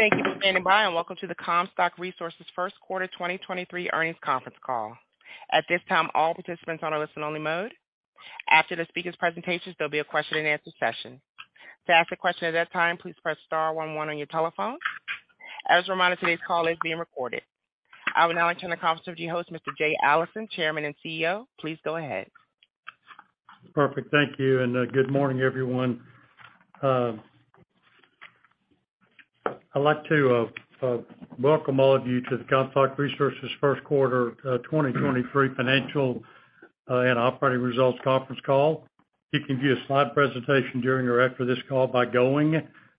Thank you for standing by and welcome to the Comstock Resources first quarter 2023 earnings conference call. At this time, all participants are on a listen only mode. After the speaker's presentations, there'll be a question and answer session. To ask a question at that time, please press star one one on your telephone. As a reminder, today's call is being recorded. I will now turn the conference over to your host, Mr. Jay Allison, Chairman and CEO. Please go ahead. Perfect. Thank you. Good morning, everyone. I'd like to welcome all of you to the Comstock Resources first quarter 2023 financial and operating results conference call. You can view a slide presentation during or after this call by going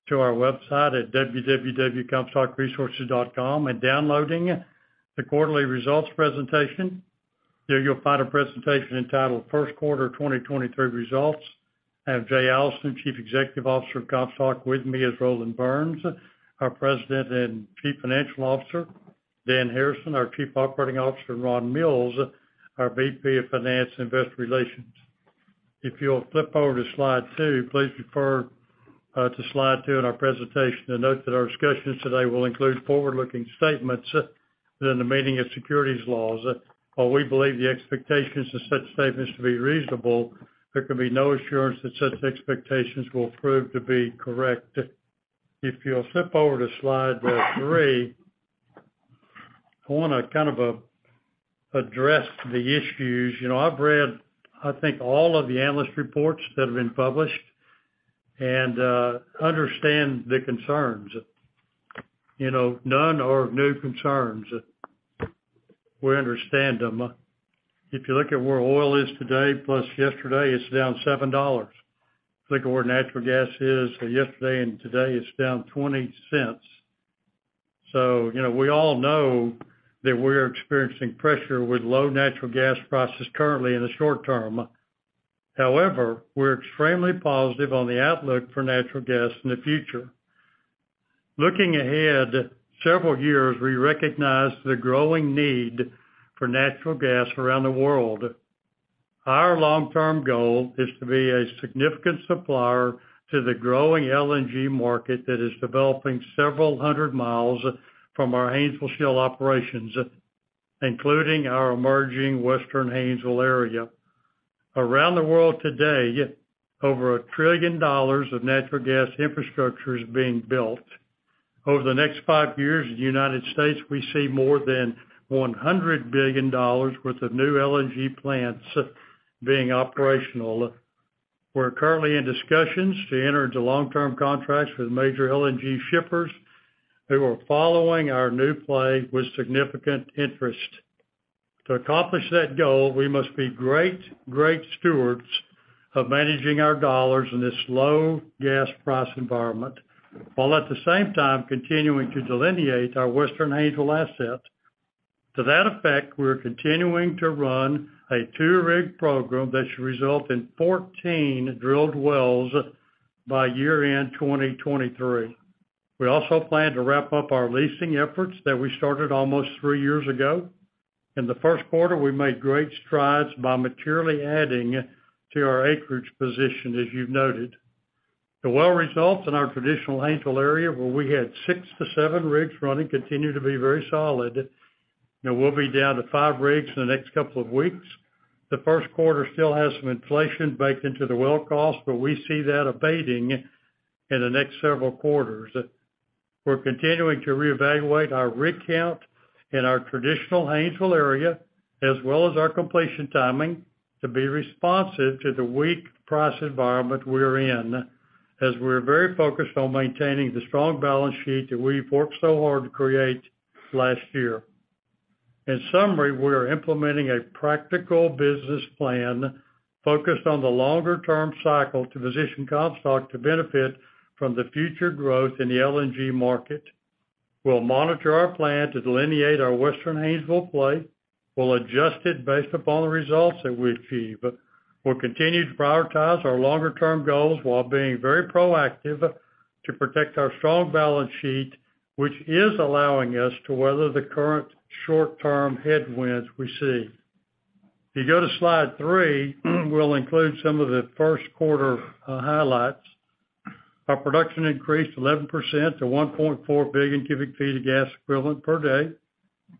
to our website at www.comstockresources.com and downloading the quarterly results presentation. There you'll find a presentation entitled First Quarter 2023 Results. I have Jay Allison, Chief Executive Officer of Comstock. With me is Roland Burns, our President and Chief Financial Officer, Dan Harrison, our Chief Operating Officer, and Ron Mills, our VP of Finance and Investor Relations. If you'll flip over to slide two, please refer to slide two in our presentation to note that our discussions today will include forward-looking statements within the meaning of securities laws. While we believe the expectations of such statements to be reasonable, there can be no assurance that such expectations will prove to be correct. If you'll flip over to slide two, I wanna kind of address the issues. You know, I've read, I think all of the analyst reports that have been published and understand the concerns. You know, none are of no concerns. We understand them. If you look at where oil is today, plus yesterday, it's down $7. If you look at where natural gas is yesterday and today it's down $0.20. You know, we all know that we're experiencing pressure with low natural gas prices currently in the short term. However, we're extremely positive on the outlook for natural gas in the future. Looking ahead several years, we recognize the growing need for natural gas around the world. Our long-term goal is to be a significant supplier to the growing LNG market that is developing several hundred miles from our Haynesville Shale operations, including our emerging Western Haynesville area. Around the world today, over $1 trillion of natural gas infrastructure is being built. Over the next five years in the United States, we see more than $100 billion worth of new LNG plants being operational. We're currently in discussions to enter into long-term contracts with major LNG shippers who are following our new play with significant interest. To accomplish that goal, we must be great stewards of managing our dollars in this low gas price environment, while at the same time continuing to delineate our Western Haynesville assets. To that effect, we're continuing to run a two-rig program that should result in 14 drilled wells by year-end 2023. We also plan to wrap up our leasing efforts that we started almost three years ago. In the first quarter, we made great strides by materially adding to our acreage position, as you've noted. The well results in our traditional Haynesville area, where we had six-seven rigs running, continue to be very solid. We'll be down to five rigs in the next couple of weeks. The first quarter still has some inflation baked into the well cost, but we see that abating in the next several quarters. We're continuing to reevaluate our rig count in our traditional Haynesville area, as well as our completion timing, to be responsive to the weak price environment we're in, as we're very focused on maintaining the strong balance sheet that we've worked so hard to create last year. In summary, we are implementing a practical business plan focused on the longer term cycle to position Comstock to benefit from the future growth in the LNG market. We'll monitor our plan to delineate our Western Haynesville play. We'll adjust it based upon the results that we achieve. We'll continue to prioritize our longer term goals while being very proactive to protect our strong balance sheet, which is allowing us to weather the current short term headwinds we see. If you go to slide three, we'll include some of the first quarter highlights. Our production increased 11% to 1.4 billion cubic feet of gas equivalent per day.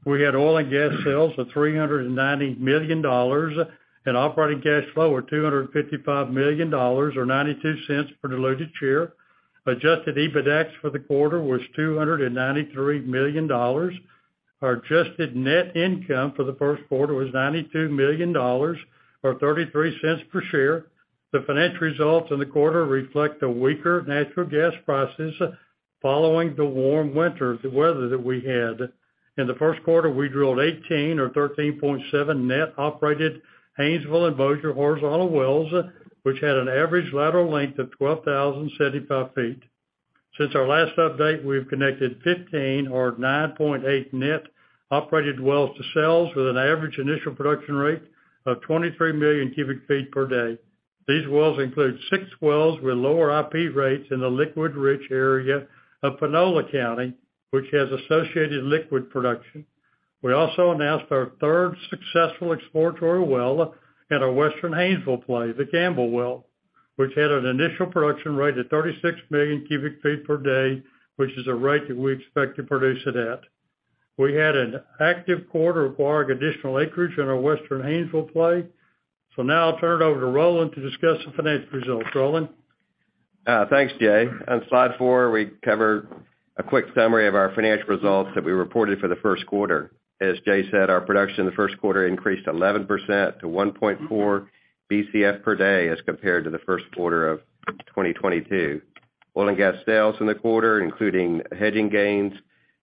We had oil and gas sales of $390 million and operating cash flow of $255 million or $0.92 per diluted share. Adjusted EBITDAX for the quarter was $293 million. Our adjusted net income for the first quarter was $92 million or $0.33 per share. The financial results in the quarter reflect the weaker natural gas prices following the warm winter, the weather that we had. In the first quarter, we drilled 18 or 13.7 net operated Haynesville and Bossier horizontal wells, which had an average lateral length of 12,075 feet. Since our last update, we've connected 15 or 9.8 net operated wells to sales with an average initial production rate of 23 million cubic feet per day. These wells include six wells with lower IP rates in the liquid rich area of Panola County, which has associated liquid production. We also announced our third successful exploratory well in our Western Haynesville play, the Campbell Well. which had an initial production rate of 36 million cubic feet per day, which is a rate that we expect to produce it at. We had an active quarter acquiring additional acreage in our Western Haynesville play. Now I'll turn it over to Roland to discuss the financial results. Roland? Thanks, Jay. On slide four, we cover a quick summary of our financial results that we reported for the first quarter. As Jay said, our production in the first quarter increased 11% to 1.4 Bcf per day as compared to the first quarter of 2022. Oil and gas sales in the quarter, including hedging gains,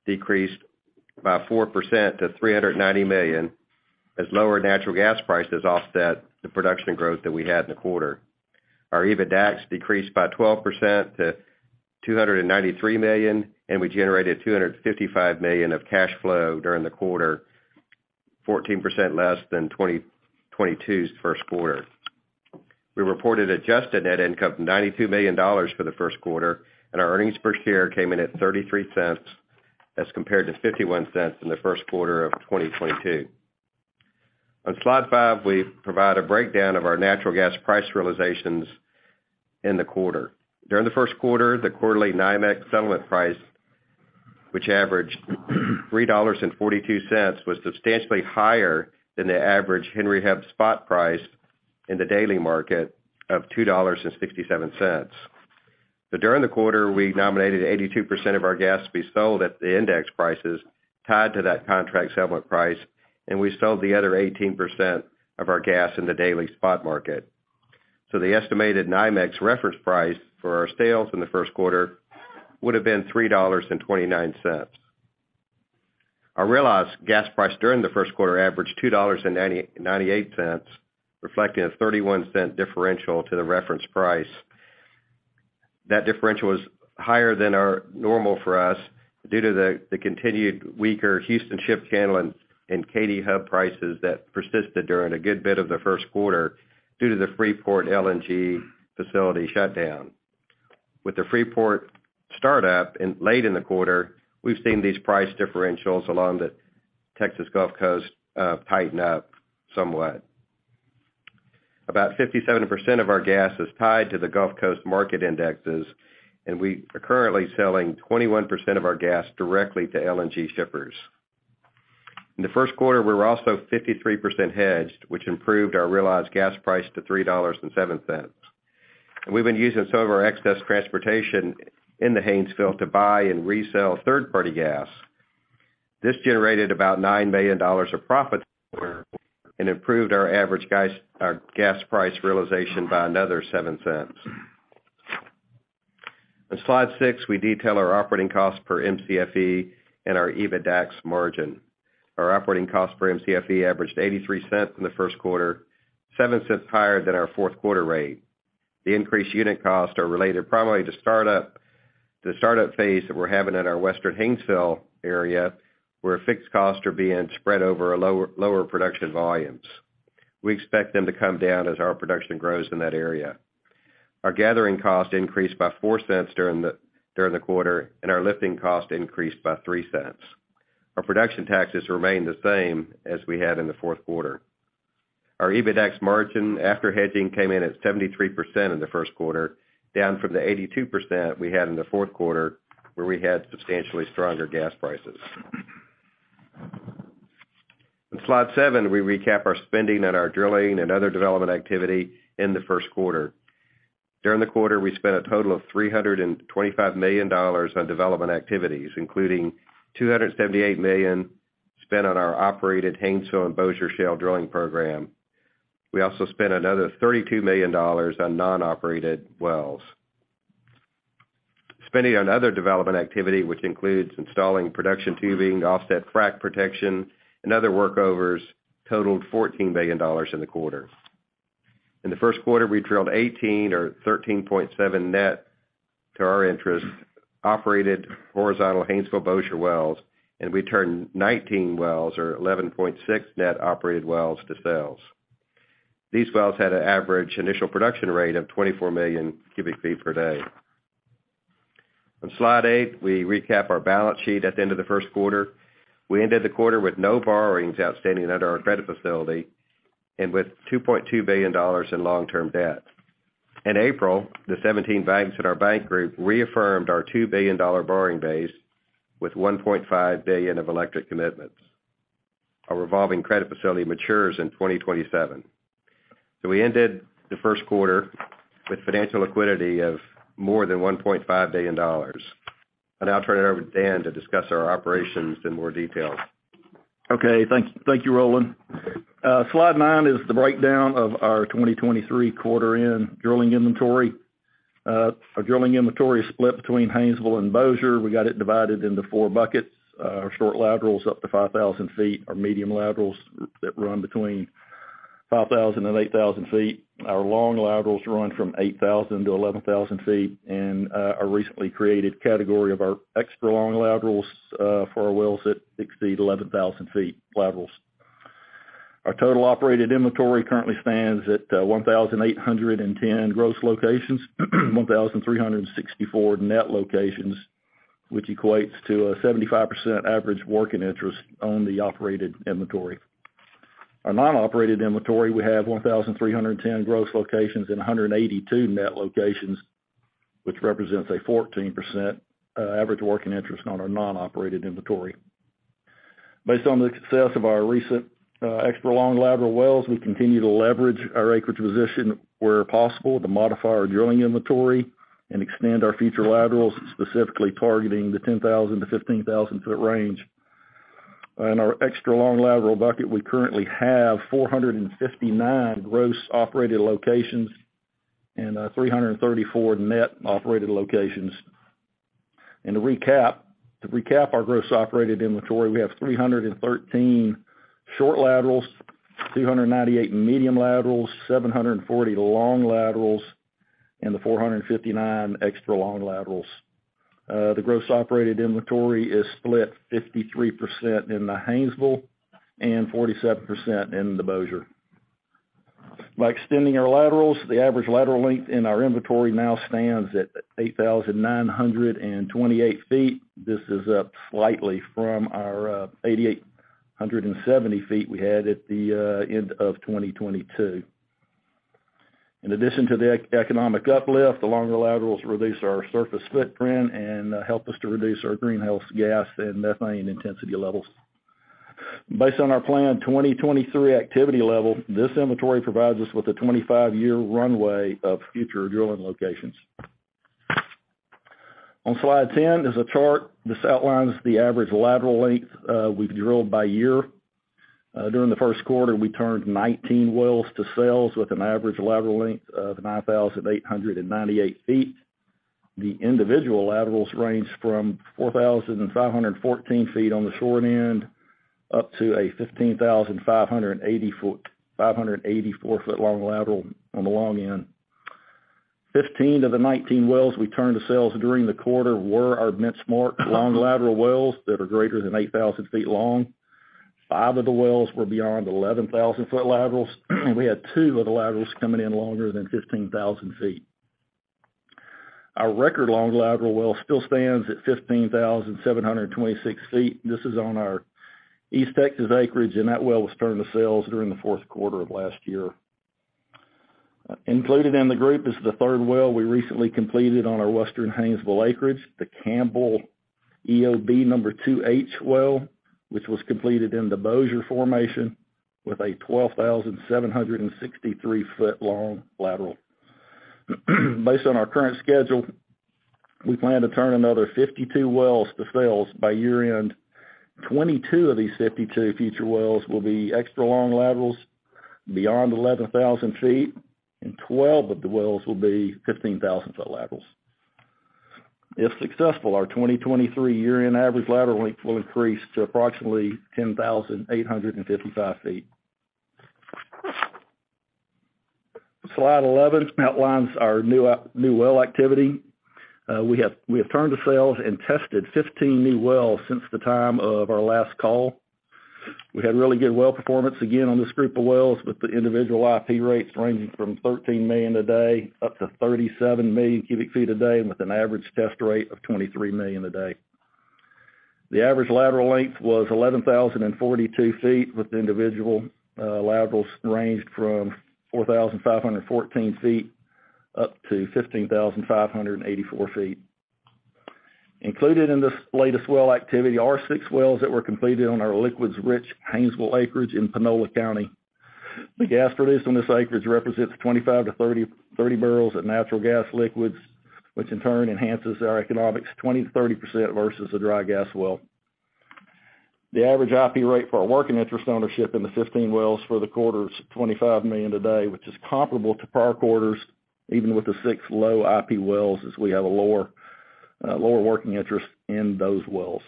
decreased by 4% to $390 million as lower natural gas prices offset the production growth that we had in the quarter. Our EBITDAX decreased by 12% to $293 million. We generated $255 million of cash flow during the quarter, 14% less than 2022's first quarter. We reported adjusted net income, $92 million for the first quarter, and our earnings per share came in at $0.33 as compared to $0.51 in the first quarter of 2022. On slide five, we provide a breakdown of our natural gas price realizations in the quarter. During the first quarter, the quarterly NYMEX settlement price, which averaged $3.42, was substantially higher than the average Henry Hub spot price in the daily market of $2.67. During the quarter, we nominated 82% of our gas to be sold at the index prices tied to that contract settlement price, and we sold the other 18% of our gas in the daily spot market. The estimated NYMEX reference price for our sales in the first quarter would have been $3.29. Our realized gas price during the first quarter averaged $2.98, reflecting a $0.31 differential to the reference price. That differential is higher than our normal for us due to the continued weaker Houston Ship Channel and Katy hub prices that persisted during a good bit of the first quarter due to the Freeport LNG facility shutdown. With the Freeport startup late in the quarter, we've seen these price differentials along the Texas Gulf Coast tighten up somewhat. About 57% of our gas is tied to the Gulf Coast market indexes, and we are currently selling 21% of our gas directly to LNG shippers. In the first quarter, we were also 53% hedged, which improved our realized gas price to $3.07. We've been using some of our excess transportation in the Haynesville to buy and resell third-party gas. This generated about $9 million of profit and improved our average gas, our gas price realization by another $0.07. On slide six, we detail our operating costs per MCFe and our EBITDAX margin. Our operating cost for MCFe averaged $0.83 in the first quarter, $0.07 higher than our fourth quarter rate. The increased unit costs are related primarily to startup, the startup phase that we're having at our Western Haynesville area, where fixed costs are being spread over a lower production volumes. We expect them to come down as our production grows in that area. Our gathering cost increased by $0.04 during the quarter, and our lifting cost increased by $0.03. Our production taxes remained the same as we had in the fourth quarter. Our EBITDAX margin after hedging came in at 73% in the first quarter, down from the 82% we had in the fourth quarter, where we had substantially stronger gas prices. On slide seven, we recap our spending and our drilling and other development activity in the first quarter. During the quarter, we spent a total of $325 million on development activities, including $278 million spent on our operated Haynesville and Bossier Shale drilling program. We spent another $32 million on non-operated wells. Spending on other development activity, which includes installing production tubing, offset frack protection, and other workovers, totaled $14 million in the quarter. In the first quarter, we drilled 18 or 13.7 net to our interest, operated horizontal Haynesville Bossier wells, and we turned 19 wells or 11.6 net operated wells to sales. These wells had an average initial production rate of 24 MMCF/day. On slide eight, we recap our balance sheet at the end of the first quarter. We ended the quarter with no borrowings outstanding under our credit facility and with $2.2 billion in long-term debt. In April, the 17 banks at our bank group reaffirmed our $2 billion borrowing base with $1.5 billion of electric commitments. Our revolving credit facility matures in 2027. We ended the first quarter with financial liquidity of more than $1.5 billion. I'll now turn it over to Dan Harrison to discuss our operations in more detail. Okay. Thank you, Roland. Slide nine is the breakdown of our 2023 quarter end drilling inventory. Our drilling inventory is split between Haynesville and Bossier. We got it divided into 4 buckets. Our short laterals up to 5,000 feet, our medium laterals that run between 5,000 and 8,000 feet. Our long laterals run from 8,000 to 11,000 feet, and our recently created category of our extra long laterals, for our wells that exceed 11,000 feet laterals. Our total operated inventory currently stands at 1,810 gross locations, 1,364 net locations, which equates to a 75% average working interest on the operated inventory. Our non-operated inventory, we have 1,310 gross locations and 182 net locations, which represents a 14% average working interest on our non-operated inventory. Based on the success of our recent extra long lateral wells, we continue to leverage our acreage position where possible to modify our drilling inventory and extend our future laterals, specifically targeting the 10,000-15 foot range. In our extra long lateral bucket, we currently have 459 gross operated locations and 334 net operated locations. To recap our gross operated inventory, we have 313 short laterals, 298 medium laterals, 740 long laterals, and the 459 extra long laterals. The gross operated inventory is split 53% in the Haynesville and 47% in the Bossier. By extending our laterals, the average lateral length in our inventory now stands at 8,928 feet. This is up slightly from our 8,870 feet we had at the end of 2022. In addition to the economic uplift, the longer laterals reduce our surface footprint and help us to reduce our greenhouse gas and methane intensity levels. Based on our planned 2023 activity level, this inventory provides us with a 25-year runway of future drilling locations. On slide 10 is a chart. This outlines the average lateral length, we've drilled by year. During the first quarter, we turned 19 wells to sales with an average lateral length of 9,898 ft. The individual laterals range from 4,514 ft on the short end, up to a 15,584-foot long lateral on the long end. 15 of the 19 wells we turned to sales during the quarter were our benchmark long lateral wells that are greater than 8,000 ft long. Five of the wells were beyond 11-foot laterals. We had two of the laterals coming in longer than 15,000 ft. Our record long lateral well still stands at 15,726 ft. This is on our East Texas acreage, and that well was turned to sales during the fourth quarter of last year. Included in the group is the third well we recently completed on our Western Haynesville acreage, the Campbell EOB No. 2H well, which was completed in the Bossier Formation with a 12,763-foot long lateral. Based on our current schedule, we plan to turn another 52 wells to sales by year-end. 22 of these 52 future wells will be extra long laterals beyond 11,000 feet, and 12 of the wells will be 15,000-foot laterals. If successful, our 2023 year-end average lateral length will increase to approximately 10,855 feet. Slide 11 outlines our new well activity. We have turned to sales and tested 15 new wells since the time of our last call. We had really good well performance again on this group of wells, with the individual IP rates ranging from 13 million a day up to 37 million cubic feet a day, with an average test rate of 23 million a day. The average lateral length was 11,042 feet, with individual laterals ranged from 4,514 feet up to 15,584 feet. Included in this latest well activity are six wells that were completed on our liquids-rich Haynesville acreage in Panola County. The gas produced on this acreage represents 25-30 barrels of natural gas liquids, which in turn enhances our economics 20%-30% versus a dry gas well. The average IP rate for our working interest ownership in the 15 wells for the quarter is 25 MMCF/day, which is comparable to prior quarters, even with the six low IP wells, as we have a lower working interest in those wells.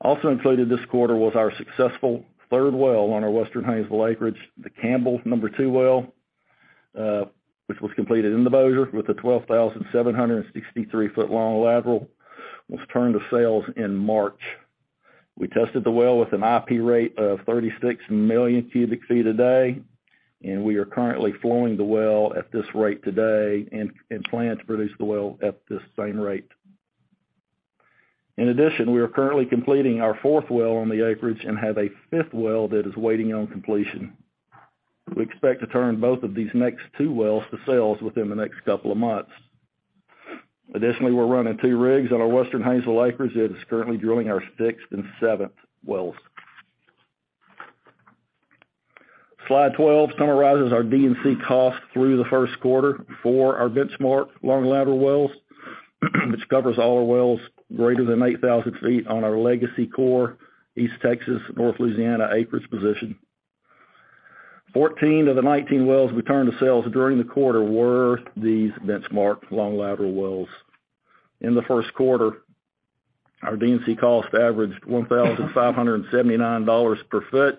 Also included this quarter was our successful third well on our Western Haynesville acreage. The Campbell No. 2 well, which was completed in the Bossier with a 12,763-foot long lateral, was turned to sales in March. We tested the well with an IP rate of 36 MMCF/day, and we are currently flowing the well at this rate today and plan to produce the well at this same rate. In addition, we are currently completing our fourth well on the acreage and have a fifth well that is waiting on completion. We expect to turn both of these next two wells to sales within the next couple of months. Additionally, we're running two rigs on our Western Haynesville acreage that is currently drilling our sixth and seventh wells. Slide 12 summarizes our D&C costs through the first quarter for our benchmark long lateral wells, which covers all our wells greater than 8,000 feet on our legacy core East Texas, North Louisiana acreage position. 14 of the 19 wells we turned to sales during the quarter were these benchmark long lateral wells. In the first quarter, our D&C cost averaged $1,579 per foot,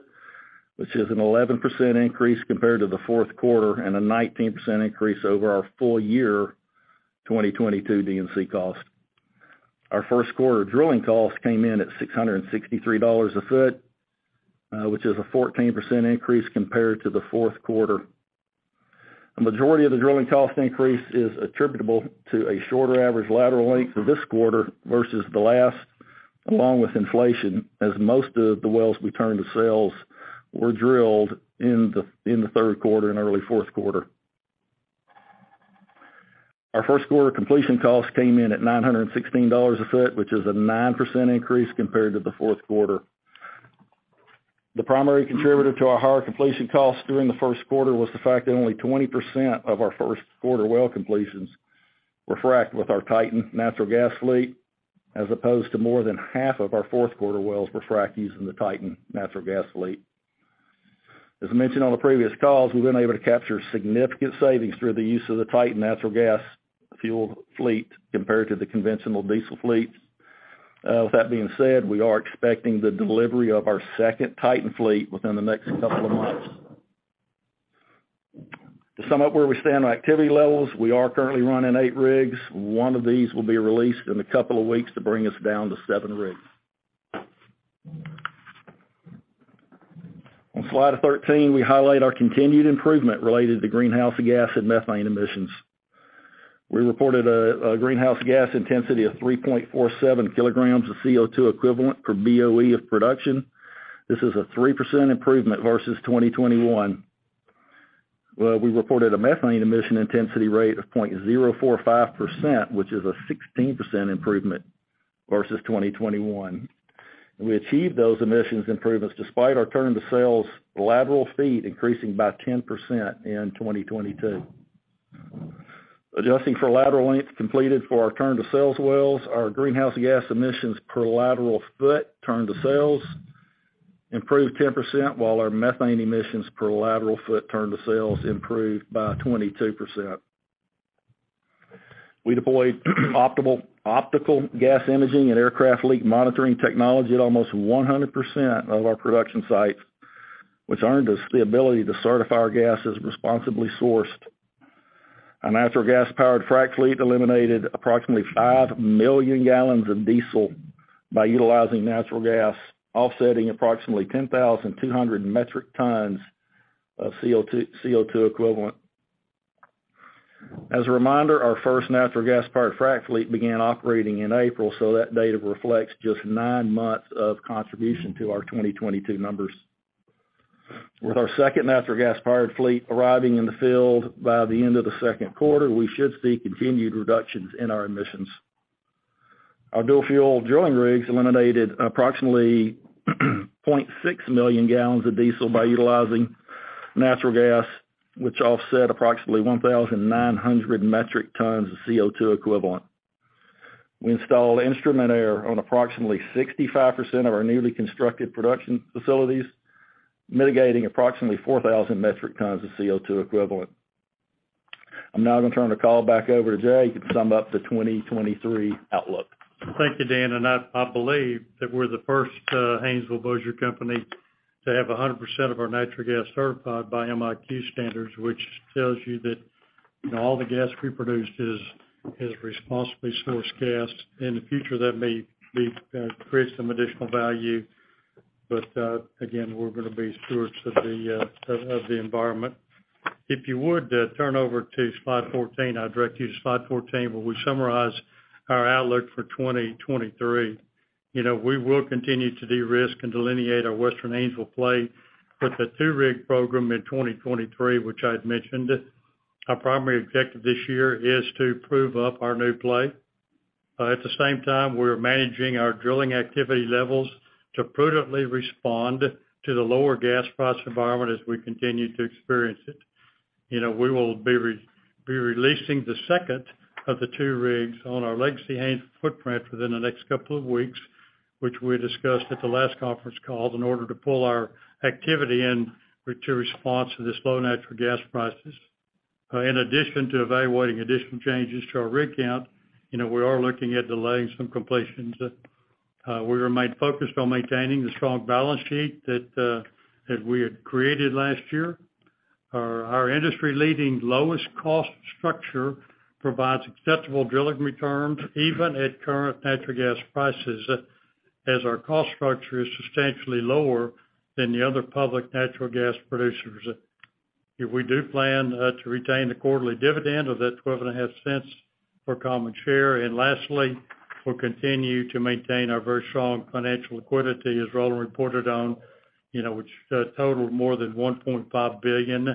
which is an 11% increase compared to the fourth quarter and a 19% increase over our full year 2022 D&C cost. Our first quarter drilling cost came in at $663 a foot, which is a 14% increase compared to the fourth quarter. A majority of the drilling cost increase is attributable to a shorter average lateral length for this quarter versus the last, along with inflation, as most of the wells we turned to sales were drilled in the third quarter and early fourth quarter. Our first quarter completion costs came in at $916 a foot, which is a 9% increase compared to the fourth quarter. The primary contributor to our higher completion costs during the first quarter was the fact that only 20% of our first quarter well completions were fracked with our TITAN natural gas fleet, as opposed to more than half of our fourth quarter wells were fracked using the TITAN natural gas fleet. As mentioned on the previous calls, we've been able to capture significant savings through the use of the TITAN natural gas fuel fleet compared to the conventional diesel fleet. With that being said, we are expecting the delivery of our second TITAN fleet within the next couple of months. To sum up where we stand on activity levels, we are currently running eight rigs. One of these will be released in a couple of weeks to bring us down to seven rigs. On slide 13, we highlight our continued improvement related to greenhouse gas and methane emissions. We reported a greenhouse gas intensity of 3.47 kilograms of CO2 equivalent per BOE of production. This is a 3% improvement versus 2021. Where we reported a methane emission intensity rate of 0.045%, which is a 16% improvement versus 2021. We achieved those emissions improvements despite our turn to sales lateral feet increasing by 10% in 2022. Adjusting for lateral length completed for our turn to sales wells, our greenhouse gas emissions per lateral foot turn to sales improved 10%, while our methane emissions per lateral foot turn to sales improved by 22%. We deployed optical gas imaging and aircraft leak monitoring technology at almost 100% of our production sites, which earned us the ability to certify our gas as responsibly sourced. A natural gas-powered frack fleet eliminated approximately five million gallons of diesel by utilizing natural gas, offsetting approximately 10,200 metric tons of CO2 equivalent. As a reminder, our first natural gas-powered frack fleet began operating in April, so that data reflects just nine months of contribution to our 2022 numbers. With our second natural gas-powered fleet arriving in the field by the end of the second quarter, we should see continued reductions in our emissions. Our dual fuel drilling rigs eliminated approximately 0.6 million gallons of diesel by utilizing natural gas, which offset approximately 1,900 metric tons of CO2 equivalent. We installed instrument air on approximately 65% of our newly constructed production facilities, mitigating approximately 4,000 metric tons of CO2 equivalent. I'm now gonna turn the call back over to Jay to sum up the 2023 outlook. Thank you, Dan, and I believe that we're the first Haynesville Bossier company to have 100% of our natural gas certified by MiQ standards, which tells you that, you know, all the gas we produced is responsibly sourced gas. In the future, that may create some additional value. Again, we're gonna be stewards of the environment. If you would, turn over to slide 14. I direct you to slide 14, where we summarize our outlook for 2023. You know, we will continue to de-risk and delineate our Western Haynesville play with the two rig program in 2023, which I'd mentioned. Our primary objective this year is to prove up our new play. At the same time, we're managing our drilling activity levels to prudently respond to the lower gas price environment as we continue to experience it. You know, we will be releasing the second of the two rigs on our legacy Haynesville footprint within the next couple of weeks, which we discussed at the last conference call, in order to pull our activity in, with to response to this low natural gas prices. In addition to evaluating additional changes to our rig count, you know, we are looking at delaying some completions. We remain focused on maintaining the strong balance sheet that we had created last year. Our industry leading lowest cost structure provides acceptable drilling returns even at current natural gas prices, as our cost structure is substantially lower than the other public natural gas producers. If we do plan to retain the quarterly dividend of that twelve and a half cents per common share. Lastly, we'll continue to maintain our very strong financial liquidity, as Roland reported on, you know, which totaled more than $1.5 billion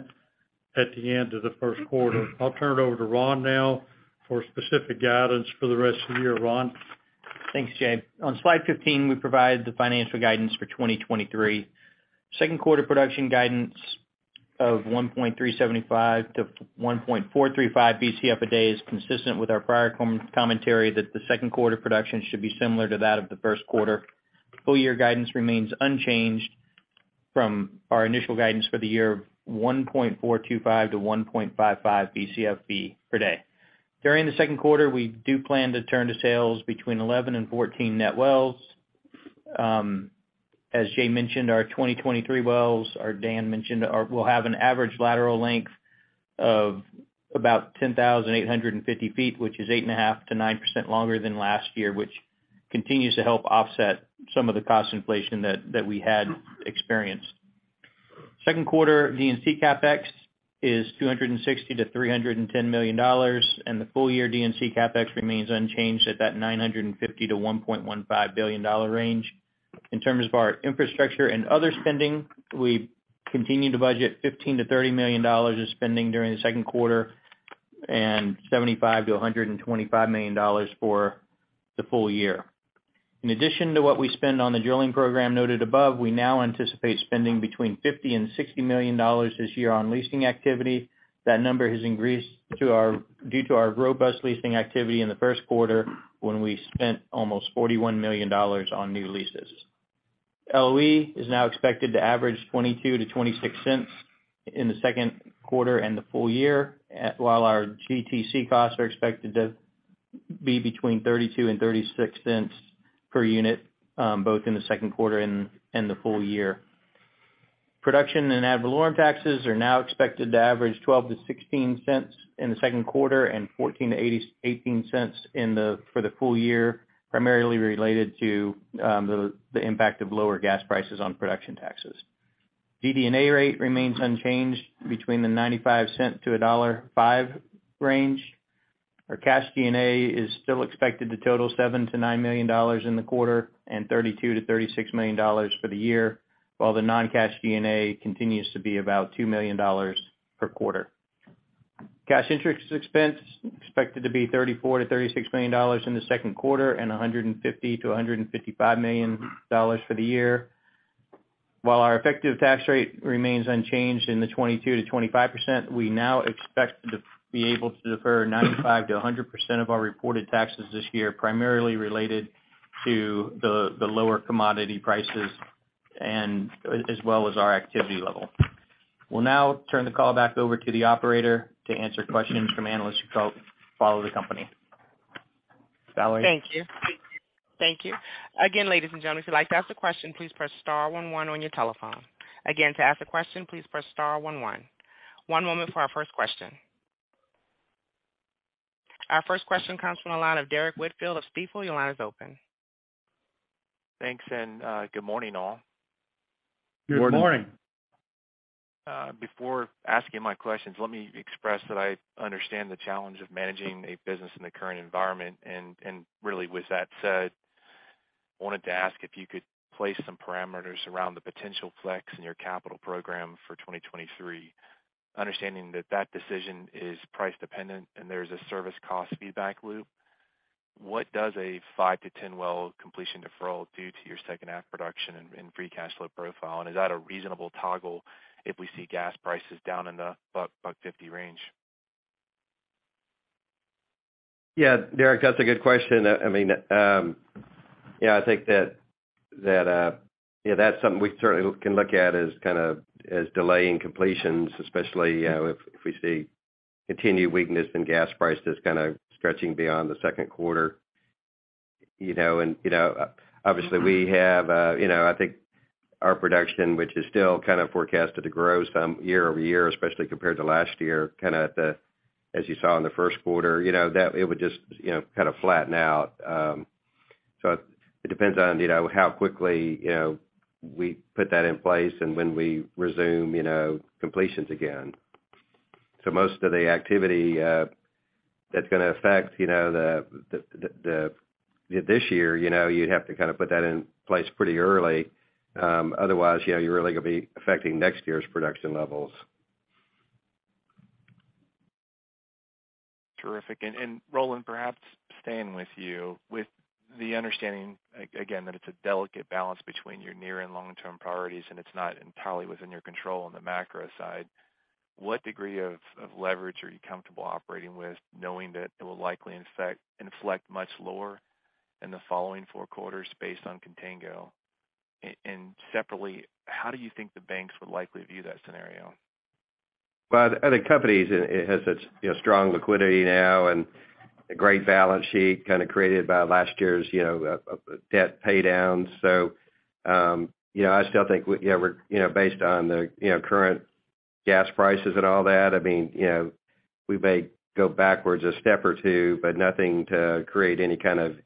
at the end of the first quarter. I'll turn it over to Roland now for specific guidance for the rest of the year. Roland? Thanks, Jay. On slide 15, we provide the financial guidance for 2023. Second quarter production guidance of 1.375-1.435 BCFE a day is consistent with our prior commentary that the second quarter production should be similar to that of the first quarter. Full year guidance remains unchanged from our initial guidance for the year of 1.425-1.55 BCFE per day. During the second quarter, we do plan to turn to sales between 11 and 14 net wells. As Jay mentioned, our 2023 wells, or Dan mentioned, will have an average lateral length of About 10,850 feet, which is 8.5%-9% longer than last year, which continues to help offset some of the cost inflation that we had experienced. Second quarter D&C CapEx is $260 million-$310 million. The full year D&C CapEx remains unchanged at that $950 million-$1.15 billion range. In terms of our infrastructure and other spending, we continue to budget $15 million-$30 million in spending during the second quarter and $75 million-$125 million for the full year. In addition to what we spend on the drilling program noted above, we now anticipate spending between $50 million and $60 million this year on leasing activity. That number has increased due to our robust leasing activity in the first quarter, when we spent almost $41 million on new leases. LOE is now expected to average $0.22-$0.26 in the second quarter and the full year, while our GTC costs are expected to be between $0.32 and $0.36 per unit, both in the second quarter and the full year. Production and ad valorem taxes are now expected to average $0.12-$0.16 in the second quarter and $0.14-$0.18 for the full year, primarily related to the impact of lower gas prices on production taxes. G&A rate remains unchanged between the $0.95 to $1.05 range. Our cash G&A is still expected to total $7 million-$9 million in the quarter and $32 million-$36 million for the year, while the non-cash G&A continues to be about $2 million per quarter. Cash interest expense is expected to be $34 million-$36 million in the second quarter and $150 million-$155 million for the year. Our effective tax rate remains unchanged in the 22%-25%, we now expect to be able to defer 95%-100% of our reported taxes this year, primarily related to the lower commodity prices as well as our activity level. We'll now turn the call back over to the operator to answer questions from analysts who follow the company. Valerie? Thank you. Thank you. Ladies and gentlemen, if you'd like to ask a question, please press star one one on your telephone. To ask a question, please press star one one. One moment for our first question. Our first question comes from the line of Derrick Whitfield of Stifel. Your line is open. Thanks, and good morning, all. Good morning. Before asking my questions, let me express that I understand the challenge of managing a business in the current environment. Really with that said, I wanted to ask if you could place some parameters around the potential flex in your capital program for 2023. Understanding that that decision is price dependent and there's a service cost feedback loop, what does a 5-10 well completion deferral do to your second half production and free cash flow profile? Is that a reasonable toggle if we see gas prices down in the $1.50 range? Derrick, that's a good question. I mean, yeah, I think that, yeah, that's something we certainly can look at as kind of, as delaying completions, especially if we see continued weakness in gas prices kind of stretching beyond the second quarter. You know, obviously we have, you know, I think our production, which is still kind of forecasted to grow some year-over-year, especially compared to last year, kinda at the... as you saw in the first quarter, you know, that it would just, you know, kind of flatten out. It depends on, you know, how quickly, you know, we put that in place and when we resume, you know, completions again. most of the activity that's gonna affect, you know, the this year, you know, you'd have to kind of put that in place pretty early. Otherwise, you know, you're really gonna be affecting next year's production levels. Terrific. Roland, perhaps staying with you, with the understanding, again, that it's a delicate balance between your near and long-term priorities, and it's not entirely within your control on the macro side, what degree of leverage are you comfortable operating with, knowing that it will likely inflect much lower in the following four quarters based on contango? Separately, how do you think the banks would likely view that scenario? Well, the company's it has such, you know, strong liquidity now and a great balance sheet kinda created by last year's, you know, debt pay downs. I still think we're, you know, based on the, you know, current gas prices and all that, I mean, you know, we may go backwards a step or two, but nothing to create any kind of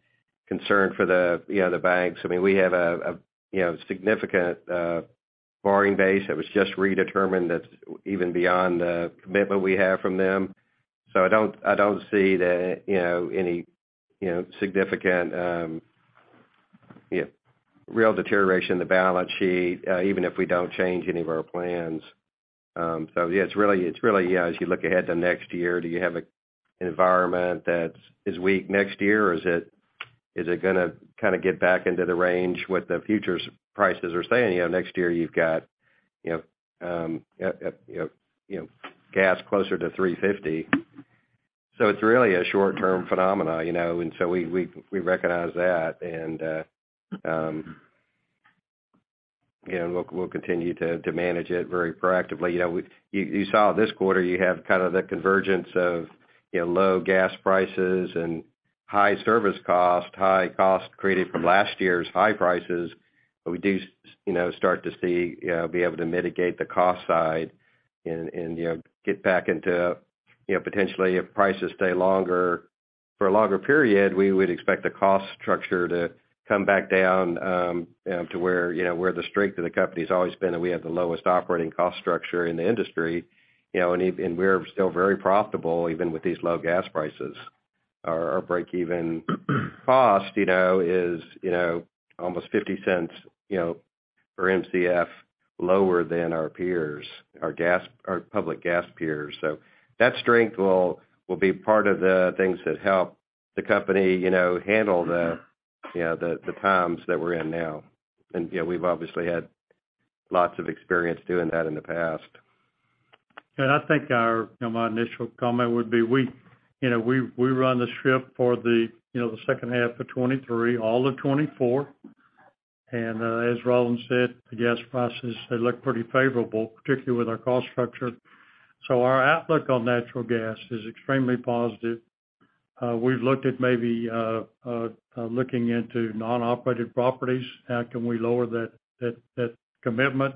concern for the, you know, the banks. I mean, we have a, you know, significant borrowing base that was just redetermined that's even beyond the commitment we have from them. I don't, I don't see the, you know, any, you know, significant, you know, real deterioration in the balance sheet, even if we don't change any of our plans. Yeah, it's really, yeah, as you look ahead to next year, do you have an environment that's as weak next year, or is it gonna kinda get back into the range what the futures prices are saying? You know, next year you've got, you know, gas closer to $3.50. It's really a short-term phenomena, you know, we recognize that. You know, look, we'll continue to manage it very proactively. You know, you saw this quarter you have kind of the convergence of, you know, low gas prices and high service costs, high costs created from last year's high prices. We do, you know, start to see be able to mitigate the cost side and, you know, get back into, you know, potentially if prices stay for a longer period, we would expect the cost structure to come back down to where, you know, where the strength of the company has always been that we have the lowest operating cost structure in the industry. You know, and we're still very profitable even with these low gas prices. Our, our break-even cost, you know, is, you know, almost $0.50, you know, per MCF lower than our peers, our public gas peers. That strength will be part of the things that help the company, you know, handle the, you know, the times that we're in now. You know, we've obviously had lots of experience doing that in the past. I think, you know, my initial comment would be we, you know, we run the strip for the, you know, the second half of 2023, all of 2024. As Roland said, the gas prices, they look pretty favorable, particularly with our cost structure. Our outlook on natural gas is extremely positive. We've looked at maybe looking into non-operated properties, how can we lower that commitment.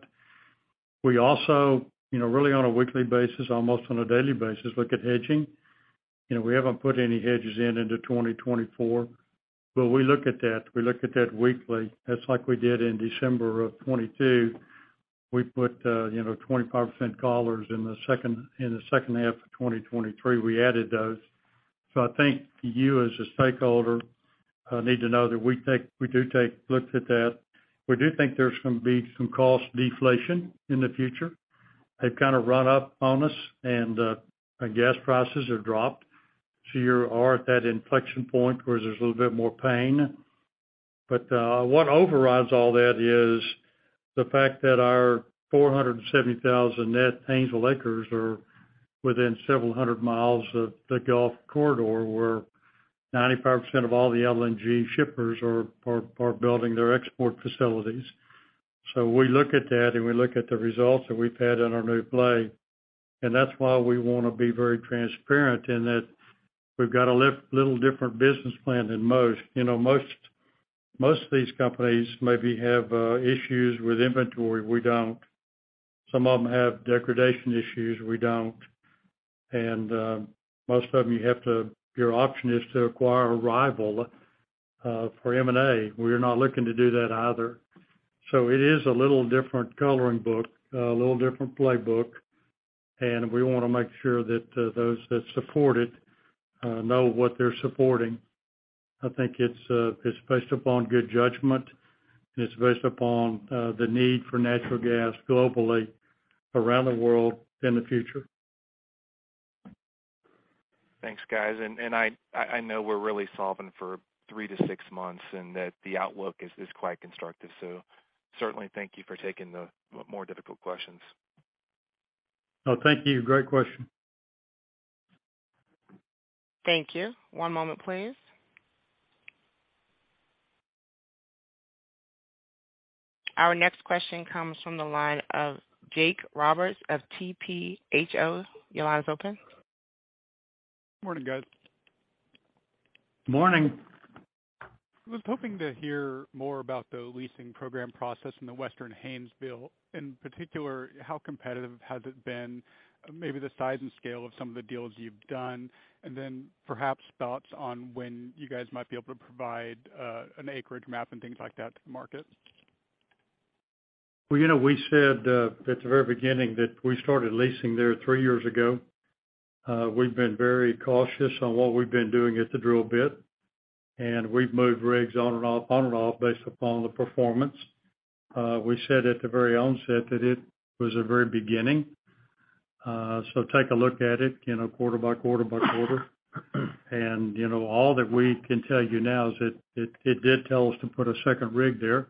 We also, you know, really on a weekly basis, almost on a daily basis, look at hedging. You know, we haven't put any hedges into 2024, but we look at that. We look at that weekly. That's like we did in December of 2022. We put, you know, 25% collars in the second half of 2023, we added those. I think you as a stakeholder need to know that we do take looks at that. We do think there's gonna be some cost deflation in the future. They've kind of run up on us and gas prices have dropped. You are at that inflection point where there's a little bit more pain. What overrides all that is the fact that our 470,000 net Haynesville acres are within several hundred miles of the Gulf Corridor, where 95% of all the LNG shippers are building their export facilities. We look at that, and we look at the results that we've had in our new play, and that's why we wanna be very transparent in that we've got a little different business plan than most. You know, most of these companies maybe have issues with inventory. We don't. Some of them have degradation issues. We don't. Most of them, your option is to acquire a rival for M&A. We're not looking to do that either. It is a little different coloring book, a little different playbook, and we wanna make sure that those that support it know what they're supporting. I think it's based upon good judgment, and it's based upon the need for natural gas globally around the world in the future. Thanks, guys. I know we're really solving for three-six months and that the outlook is quite constructive. Certainly thank you for taking the more difficult questions. No, thank you. Great question. Thank you. One moment please. Our next question comes from the line of Jake Roberts of TPH&Co.. Your line is open. Morning, guys. Morning. I was hoping to hear more about the leasing program process in the Western Haynesville. In particular, how competitive has it been, maybe the size and scale of some of the deals you've done, and then perhaps thoughts on when you guys might be able to provide an acreage map and things like that to the market. Well, you know, we said at the very beginning that we started leasing there three years ago. We've been very cautious on what we've been doing at the drill bit, we've moved rigs on and off based upon the performance. We said at the very onset that it was a very beginning. Take a look at it, you know, quarter by quarter by quarter. You know, all that we can tell you now is that it did tell us to put a second rig there.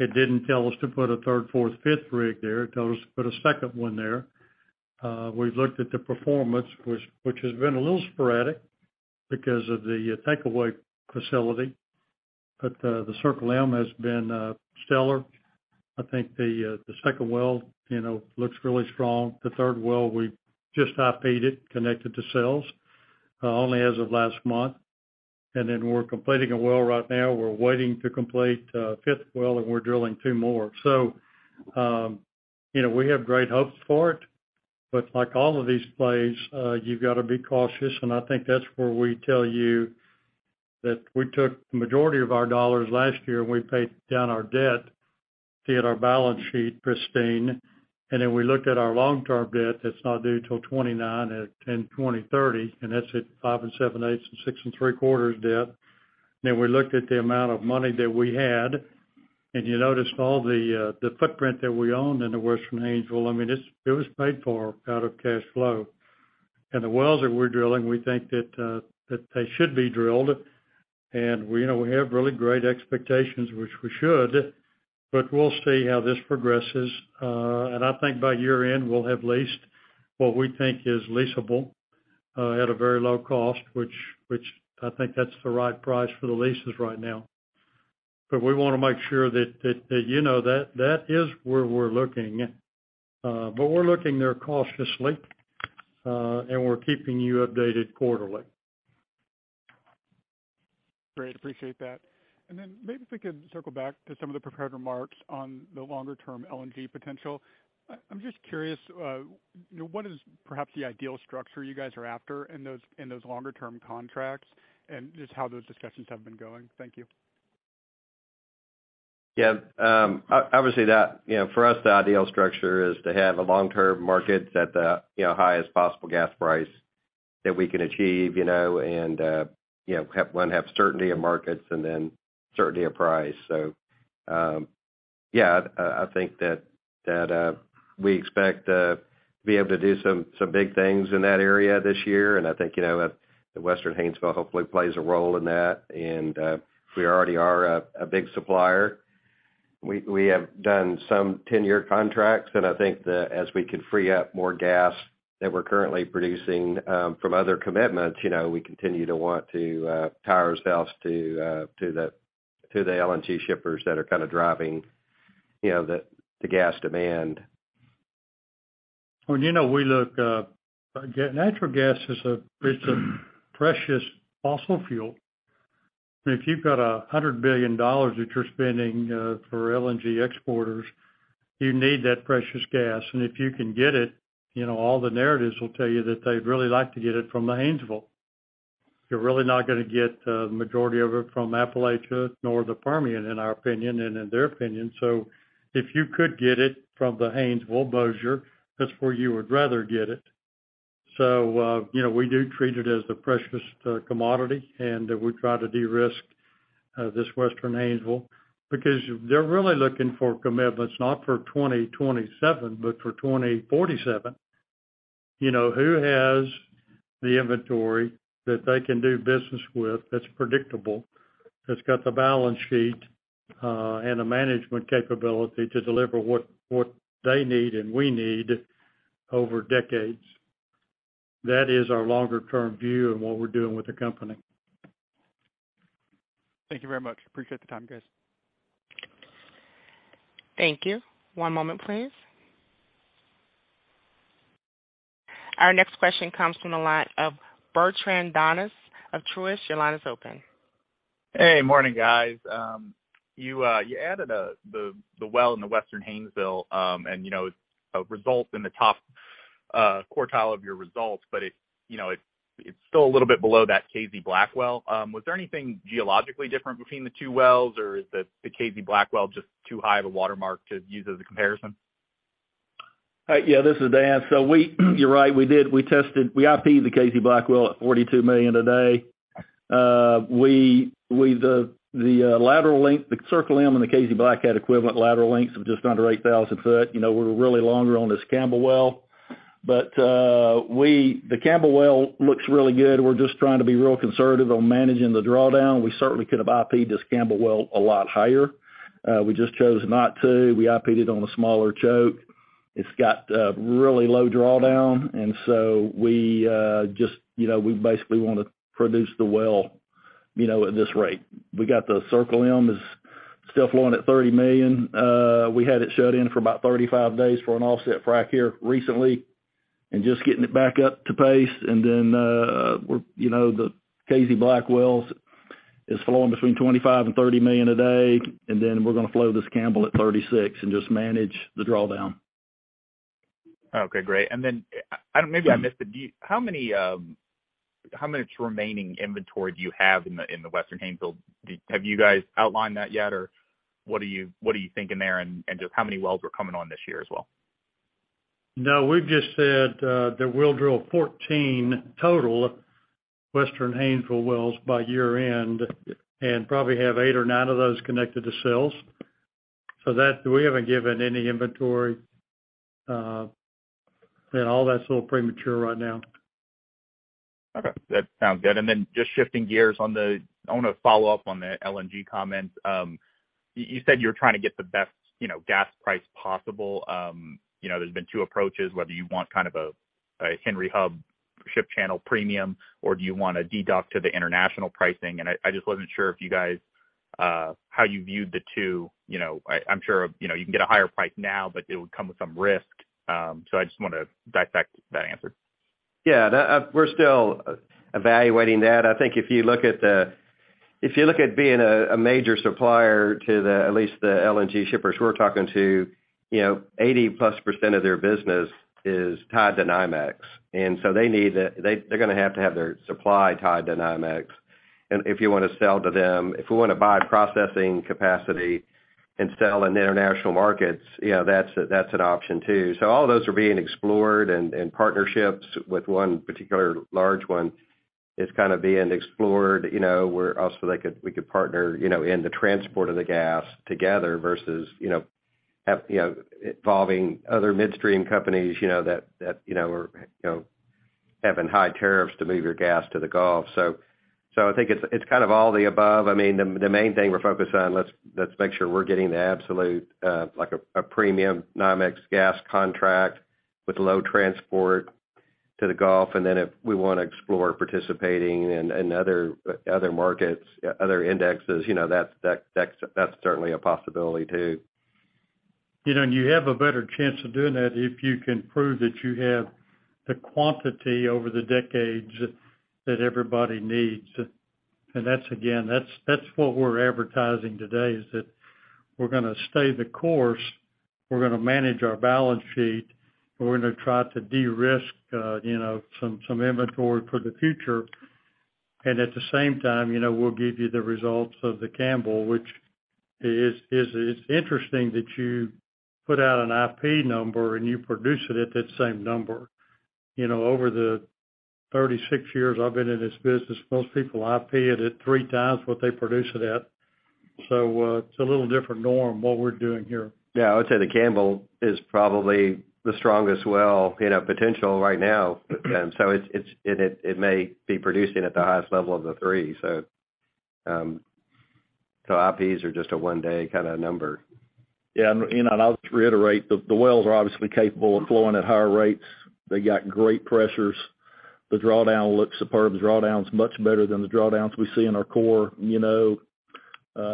It didn't tell us to put a third, fourth, fifth rig there. It told us to put a second one there. We've looked at the performance, which has been a little sporadic because of the takeaway facility, the Circle M has been stellar. I think the second well, you know, looks really strong. The third well, we just IP'd it, connected to sales, only as of last month. We're completing a well right now. We're waiting to complete a fifth well, and we're drilling two more. We have great hopes for it. Like all of these plays, you've got to be cautious. I think that's where we tell you that we took the majority of our dollars last year when we paid down our debt to get our balance sheet pristine. We looked at our long-term debt that's not due till 2029 at 2030, and that's at five and seven-eight and six and three-quarters debt. We looked at the amount of money that we had, and you noticed all the footprint that we own in the Western Haynesville. I mean, it was paid for out of cash flow. The wells that we're drilling, we think that they should be drilled. You know, we have really great expectations, which we should, but we'll see how this progresses. And I think by year-end, we'll have leased what we think is leasable at a very low cost, which I think that's the right price for the leases right now. We wanna make sure that you know that that is where we're looking. We're looking there cautiously, and we're keeping you updated quarterly. Great. Appreciate that. Then maybe if we could circle back to some of the prepared remarks on the longer-term LNG potential. I'm just curious, you know, what is perhaps the ideal structure you guys are after in those longer-term contracts and just how those discussions have been going? Thank you. Obviously, that, you know, for us, the ideal structure is to have a long-term market at the, you know, highest possible gas price that we can achieve, you know, and, you know, have certainty of markets and then certainty of price. I think that we expect to be able to do some big things in that area this year. I think, you know, the Western Haynesville hopefully plays a role in that. We already are a big supplier. We have done some 10-year contracts, I think as we can free up more gas that we're currently producing from other commitments, you know, we continue to want to power ourselves to the LNG shippers that are kind of driving, you know, the gas demand. Well, you know, we look, natural gas is a, it's a precious fossil fuel. If you've got $100 billion that you're spending for LNG exporters, you need that precious gas. If you can get it, you know, all the narratives will tell you that they'd really like to get it from the Haynesville. You're really not gonna get majority of it from Appalachia nor the Permian, in our opinion and in their opinion. If you could get it from the Haynesville Bossier, that's where you would rather get it. You know, we do treat it as the precious commodity, and we try to de-risk this Western Haynesville because they're really looking for commitments not for 2027, but for 2047. You know, who has the inventory that they can do business with that's predictable, that's got the balance sheet, and the management capability to deliver what they need and we need over decades. That is our longer term view of what we're doing with the company. Thank you very much. Appreciate the time, guys. Thank you. One moment, please. Our next question comes from the line of Bertrand Donnes of Truist. Your line is open. Hey, morning, guys. You added the well in the Western Haynesville, and, you know, it results in the top quartile of your results, but it, you know, it's still a little bit below that Cazey Black well. Was there anything geologically different between the two wells, or is the Cazey Black well just too high of a watermark to use as a comparison? Yeah, this is Dan. You're right. We did. We tested. We IP'd the Cazey Black well at 42 million a day. The lateral length, the Circle M and the Cazey Black had equivalent lateral lengths of just under 8,000 foot. You know, we're really longer on this Campbell Well. The Campbell Well looks really good. We're just trying to be real conservative on managing the drawdown. We certainly could have IP'd this Campbell Well a lot higher. We just chose not to. We IP'd it on a smaller choke. It's got really low drawdown. We just, you know, we basically wanna produce the well, you know, at this rate. We got the Circle M is still flowing at 30 million. We had it shut in for about 35 days for an offset frac here recently and just getting it back up to pace. We're, you know, the Cazey Black wells is flowing between 25 and 30 million a day, and then we're gonna flow this Campbell at 36 and just manage the drawdown. Okay, great. Maybe I missed it. How many, how much remaining inventory do you have in the Western Haynesville? Have you guys outlined that yet, or what are you thinking there, and just how many wells are coming on this year as well? No, we've just said, that we'll drill 14 total Western Haynesville wells by year-end and probably have eight or nine of those connected to sales. We haven't given any inventory, and all that's a little premature right now. Okay. That sounds good. Just shifting gears on the-- I wanna follow up on the LNG comments. You said you're trying to get the best, you know, gas price possible. You know, there's been two approaches, whether you want kind of a Henry Hub ship channel premium, or do you want to deduct to the international pricing? I just wasn't sure if you guys, how you viewed the two. You know, I'm sure, you know, you can get a higher price now, but it would come with some risk. I just wanna dive back to that answer. Yeah. That, we're still evaluating that. I think if you look at being a major supplier to the, at least the LNG shippers we're talking to, you know, 80%+ of their business is tied to NYMEX. They're gonna have to have their supply tied to NYMEX. If you wanna sell to them, if we wanna buy processing capacity and sell in international markets, you know, that's a, that's an option too. All those are being explored and partnerships with one particular large one is kinda being explored. You know, we're also like we could partner, you know, in the transport of the gas together versus, you know, have, you know, involving other midstream companies, you know, that, you know, are, you know, having high tariffs to move your gas to the Gulf. I think it's kind of all the above. I mean, the main thing we're focused on, let's make sure we're getting the absolute like a premium NYMEX gas contract with low transport to the Gulf. If we wanna explore participating in other markets, other indexes, you know, that's certainly a possibility too. You know, you have a better chance of doing that if you can prove that you have the quantity over the decades that everybody needs. That's, again, that's what we're advertising today, is that we're gonna stay the course, we're gonna manage our balance sheet, and we're gonna try to de-risk, you know, some inventory for the future. At the same time, you know, we'll give you the results of the Campbell, which is interesting that you put out an IP number, and you produce it at that same number. You know, over the 36 years I've been in this business, most people IP it at three times what they produce it at. It's a little different norm, what we're doing here. Yeah. I would say the Campbell is probably the strongest well, you know, potential right now. It may be producing at the highest level of the three. IPs are just a one day kinda number. Yeah. You know, and I'll just reiterate, the wells are obviously capable of flowing at higher rates. They got great pressures. The drawdown looks superb. The drawdown's much better than the drawdowns we see in our core, you know,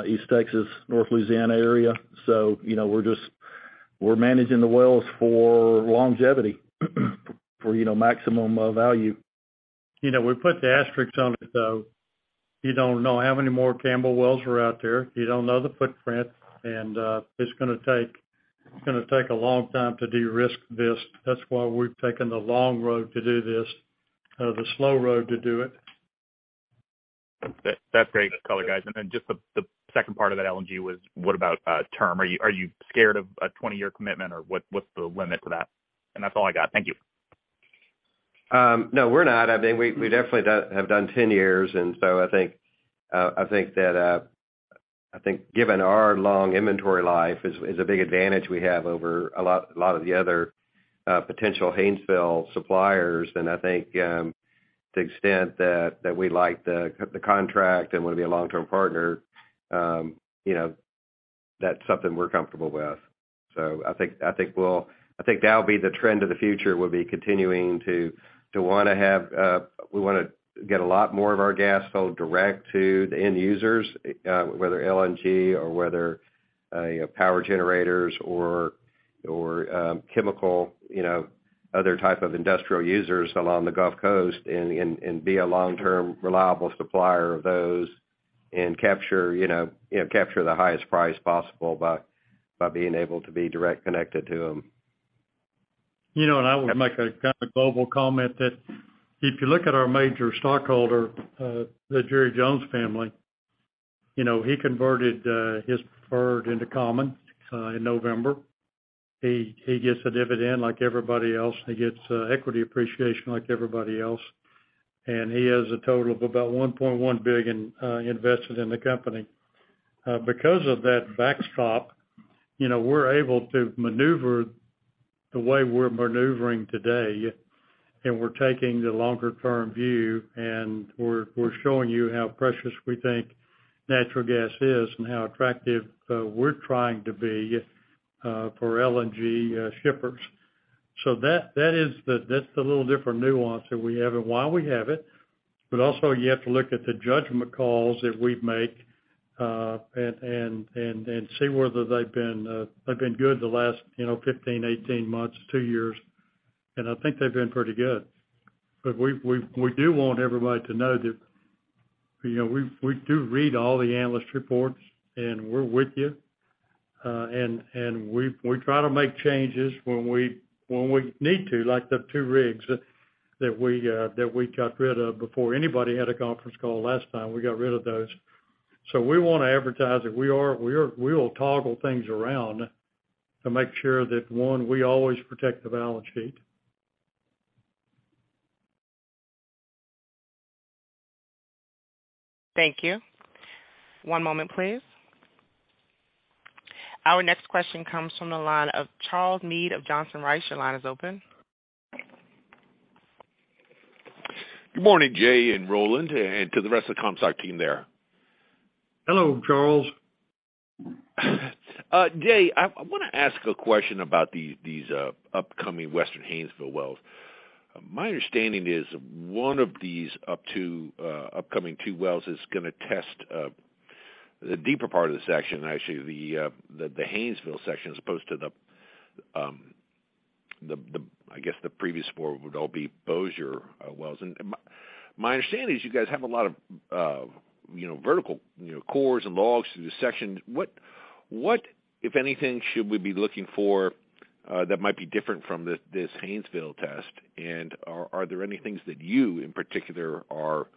East Texas, North Louisiana area. You know, we're just, we're managing the wells for longevity, for, you know, maximum value. You know, we put the asterisks on it, though. You don't know how many more Campbell wells are out there. You don't know the footprint, and it's gonna take, it's gonna take a long time to de-risk this. That's why we've taken the long road to do this, the slow road to do it. That's great color, guys. Then just the second part of that, LNG, was what about term? Are you scared of a 20-year commitment, or what's the limit to that? That's all I got. Thank you. No, we're not. I mean, we have done 10 years. I think that I think given our long inventory life is a big advantage we have over a lot of the other potential Haynesville suppliers. I think to the extent that we like the contract and wanna be a long-term partner, you know, that's something we're comfortable with. I think that'll be the trend of the future, will be continuing to wanna have, we wanna get a lot more of our gas sold direct to the end users, whether LNG or whether power generators or chemical, you know, other type of industrial users along the Gulf Coast and be a long-term reliable supplier of those and capture, you know, and capture the highest price possible by being able to be direct connected to them. You know, I would make a kinda global comment that if you look at our major stockholder, the Jerry Jones family, you know, he converted his preferred into common in November. He gets a dividend like everybody else. He gets equity appreciation like everybody else. He has a total of about $1.1 billion invested in the company. Because of that backstop, you know, we're able to maneuver the way we're maneuvering today, we're taking the longer term view, and we're showing you how precious we think natural gas is and how attractive we're trying to be for LNG shippers. That is the, that's the little different nuance that we have and why we have it. Also, you have to look at the judgment calls that we make, and see whether they've been good the last, you know, 15, 18 months, two years. I think they've been pretty good. We do want everybody to know that, you know, we do read all the analyst reports, and we're with you. We try to make changes when we need to, like the two rigs that we got rid of before anybody had a conference call last time. We got rid of those. We wanna advertise that we will toggle things around to make sure that, one, we always protect the balance sheet. Thank you. One moment, please. Our next question comes from the line of Charles Meade of Johnson Rice. Your line is open. Good morning, Jay and Roland, and to the rest of the Comstock team there. Hello, Charles. Jay, I wanna ask a question about these upcoming Western Haynesville wells. My understanding is one of these upcoming two wells is gonna test the deeper part of the section, actually, the Haynesville section, as opposed to the, I guess, the previous four would all be Bossier wells. My understanding is you guys have a lot of, you know, vertical, you know, cores and logs through the section. What, if anything, should we be looking for that might be different from this Haynesville test? And are there any things that you, in particular, are looking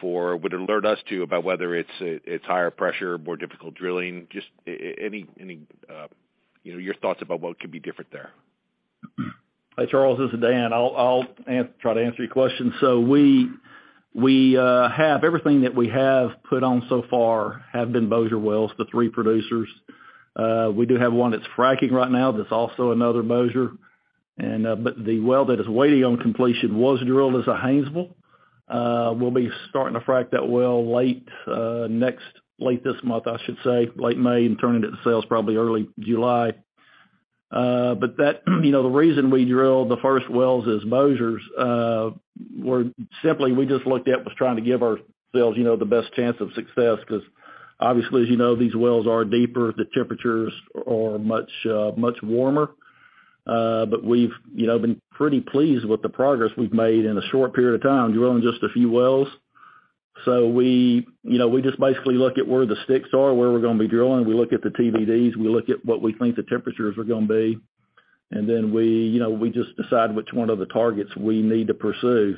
for, would alert us to about whether it's higher pressure, more difficult drilling? Just any, you know, your thoughts about what could be different there. Hey, Charles, this is Dan. I'll try to answer your question. We have everything that we have put on so far have been Bossier wells, the three producers. We do have one that's fracking right now that's also another Bossier. The well that is waiting on completion was drilled as a Haynesville. We'll be starting to frack that well late this month, I should say, late May, and turning it to sales probably early July. That, you know, the reason we drilled the first wells as monobores, were simply we just looked at was trying to give ourselves, you know, the best chance of success. Because obviously, as you know, these wells are deeper, the temperatures are much, much warmer. We've, you know, been pretty pleased with the progress we've made in a short period of time drilling just a few wells. We, you know, we just basically look at where the sticks are, where we're gonna be drilling. We look at the TVDs, we look at what we think the temperatures are gonna be, and then we, you know, we just decide which one of the targets we need to pursue.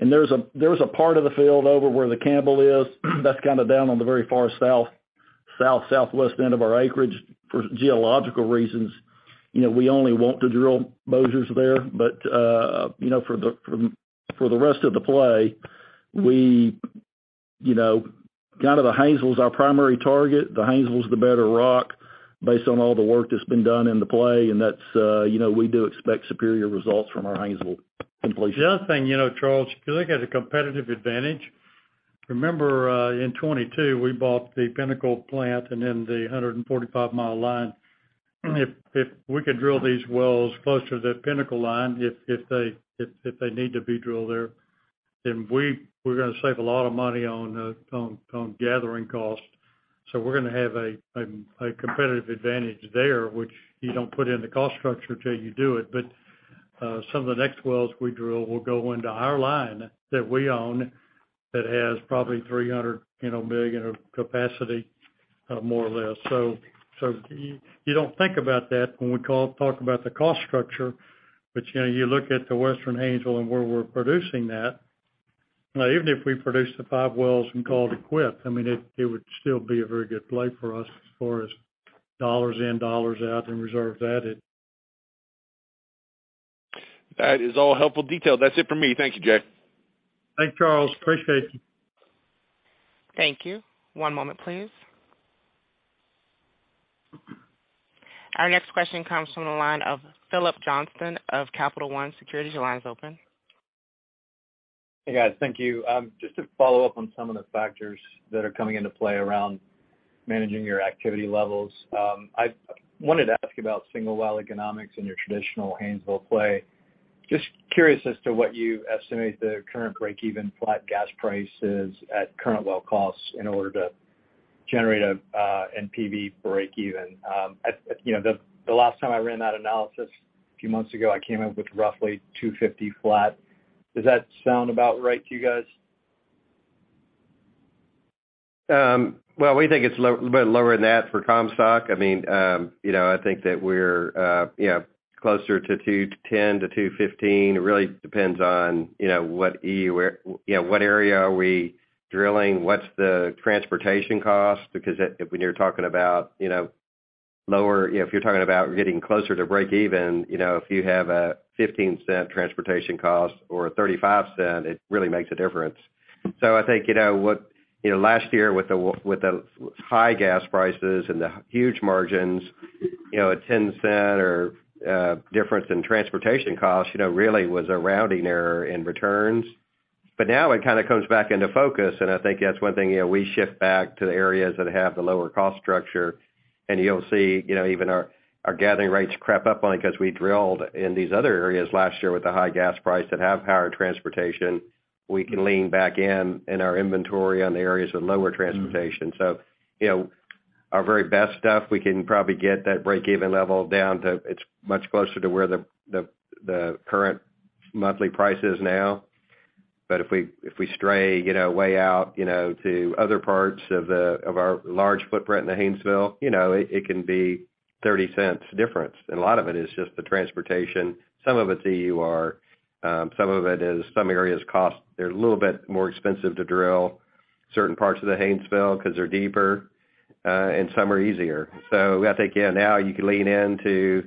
There's a part of the field over where the Campbell is that's kind of down on the very far southwest end of our acreage. For geological reasons, you know, we only want to drill monobores there. You know, for the rest of the play, we, you know, kind of the Haynesville's our primary target. The Haynesville's the better rock based on all the work that's been done in the play, you know, we do expect superior results from our Haynesville completions. The other thing, you know, Charles, if you look at a competitive advantage, remember, in 2022, we bought the Pinnacle plant and then the 145-mile line. If we could drill these wells closer to the Pinnacle line, if they need to be drilled there, then we're gonna save a lot of money on gathering costs. We're gonna have a competitive advantage there, which you don't put in the cost structure till you do it. Some of the next wells we drill will go into our line that we own, that has probably $300 million of capacity, more or less. You don't think about that when we talk about the cost structure. You know, you look at the Western Haynesville and where we're producing that, even if we produce the five wells and called it quit, I mean, it would still be a very good play for us as far as dollars in, dollars out and reserve added. That is all helpful detail. That's it for me. Thank you, Jay. Thanks, Charles. Appreciate you. Thank you. One moment please. Our next question comes from the line of Phillips Johnston of Capital One Securities. Your line is open. Hey, guys. Thank you. Just to follow up on some of the factors that are coming into play around managing your activity levels, I wanted to ask you about single well economics in your traditional Haynesville play. Just curious as to what you estimate the current break-even flat gas price is at current well costs in order to generate a NPV break even. You know, the last time I ran that analysis a few months ago, I came up with roughly $2.50 flat. Does that sound about right to you guys? Well, we think it's low-bit lower than that for Comstock. I think that we're closer to $2.10-$2.15. It really depends on what EUR we're, what area are we drilling? What's the transportation cost? Because when you're talking about getting closer to break even, if you have a $0.15 transportation cost or a $0.35, it really makes a difference. I think last year with the high gas prices and the huge margins, a $0.10 difference in transportation costs really was a rounding error in returns. Now it kinda comes back into focus, and I think that's one thing, you know, we shift back to the areas that have the lower cost structure. You'll see, you know, even our gathering rates creep up on it 'cause we drilled in these other areas last year with the high gas price that have higher transportation. We can lean back in in our inventory on the areas with lower transportation. You know, our very best stuff, we can probably get that break-even level down to, it's much closer to where the, the current monthly price is now. If we, if we stray, you know, way out, you know, to other parts of our large footprint in the Haynesville, you know, it can be $0.30 difference. A lot of it is just the transportation. Some of it's EUR. Some of it is some areas cost. They're a little bit more expensive to drill certain parts of the Haynesville 'cause they're deeper, and some are easier. I think, yeah, now you can lean into...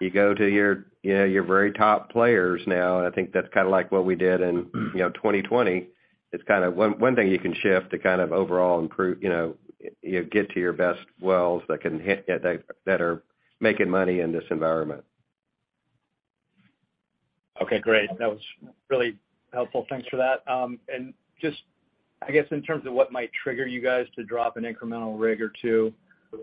You go to your, you know, your very top players now, and I think that's kinda like what we did in, you know, 2020. It's kinda one thing you can shift to kind of overall improve, you know, you get to your best wells that can hit that are making money in this environment. Okay, great. That was really helpful. Thanks for that. I guess, in terms of what might trigger you guys to drop an incremental rig or two,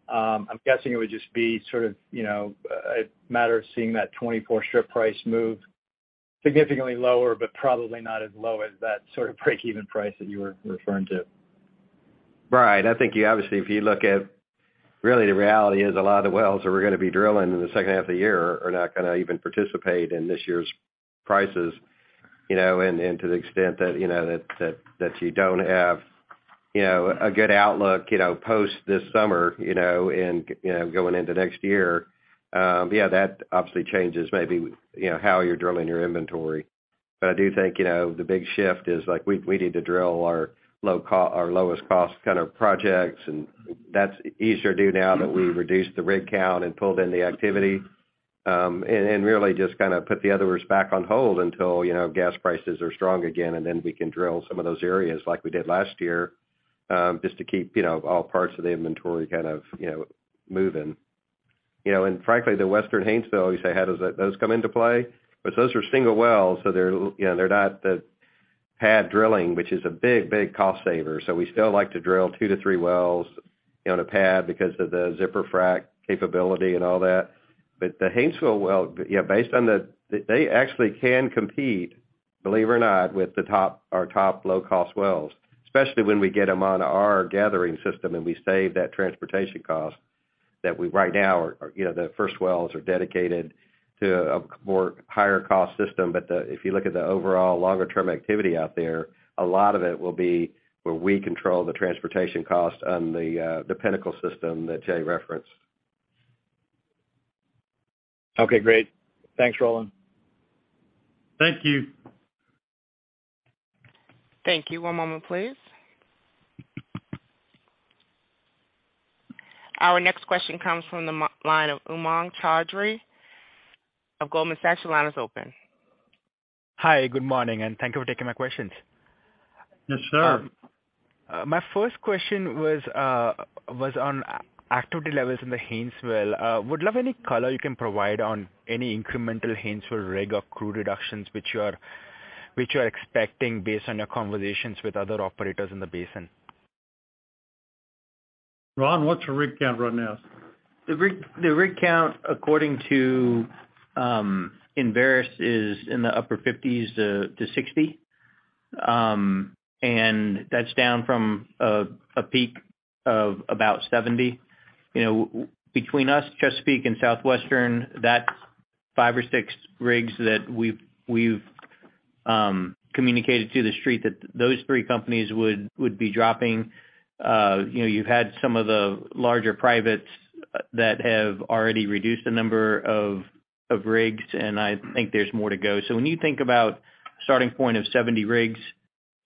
I'm guessing it would just be sort of, you know, a matter of seeing that 24 strip price move significantly lower, but probably not as low as that sort of break-even price that you were referring to. Right. I think you obviously, if you look at really the reality is a lot of the wells that we're gonna be drilling in the second half of the year are not gonna even participate in this year's prices, you know. To the extent that, you know, that you don't have, you know, a good outlook, you know, post this summer, you know, and, you know, going into next year, yeah, that obviously changes maybe, you know, how you're drilling your inventory. I do think, you know, the big shift is like we need to drill our lowest cost kind of projects, and that's easier to do now that we reduced the rig count and pulled in the activity. really just kind of put the others back on hold until, you know, gas prices are strong again, and then we can drill some of those areas like we did last year, just to keep, you know, all parts of the inventory kind of, you know, moving. frankly, the Western Haynesville, you say, how does those come into play? Those are single wells, so they're, you know, they're not the pad drilling, which is a big cost saver. We still like to drill two-three wells on a pad because of the zipper frack capability and all that. The Haynesville well, yeah, based on the, they actually can compete, believe it or not, with our top low-cost wells, especially when we get them on our gathering system, and we save that transportation cost that we right now are, you know, the first wells are dedicated to a more higher cost system. If you look at the overall longer-term activity out there, a lot of it will be where we control the transportation cost on the Pinnacle system that Jay referenced. Okay, great. Thanks, Roland. Thank you. Thank you. One moment, please. Our next question comes from the line of Umang Choudhary of Goldman Sachs. Your line is open. Hi, good morning, thank you for taking my questions. Yes, sir. My first question was on activity levels in the Haynesville. Would love any color you can provide on any incremental Haynesville rig or crew reductions which you are expecting based on your conversations with other operators in the basin. Ron, what's your rig count right now? The rig count, according to Enverus, is in the upper 50s to 60. That's down from a peak of about 70. You know, between us, Chesapeake and Southwestern, that's five or six rigs that we've communicated to the Street that those three companies would be dropping. You know, you've had some of the larger privates that have already reduced the number of rigs, and I think there's more to go. When you think about starting point of 70 rigs,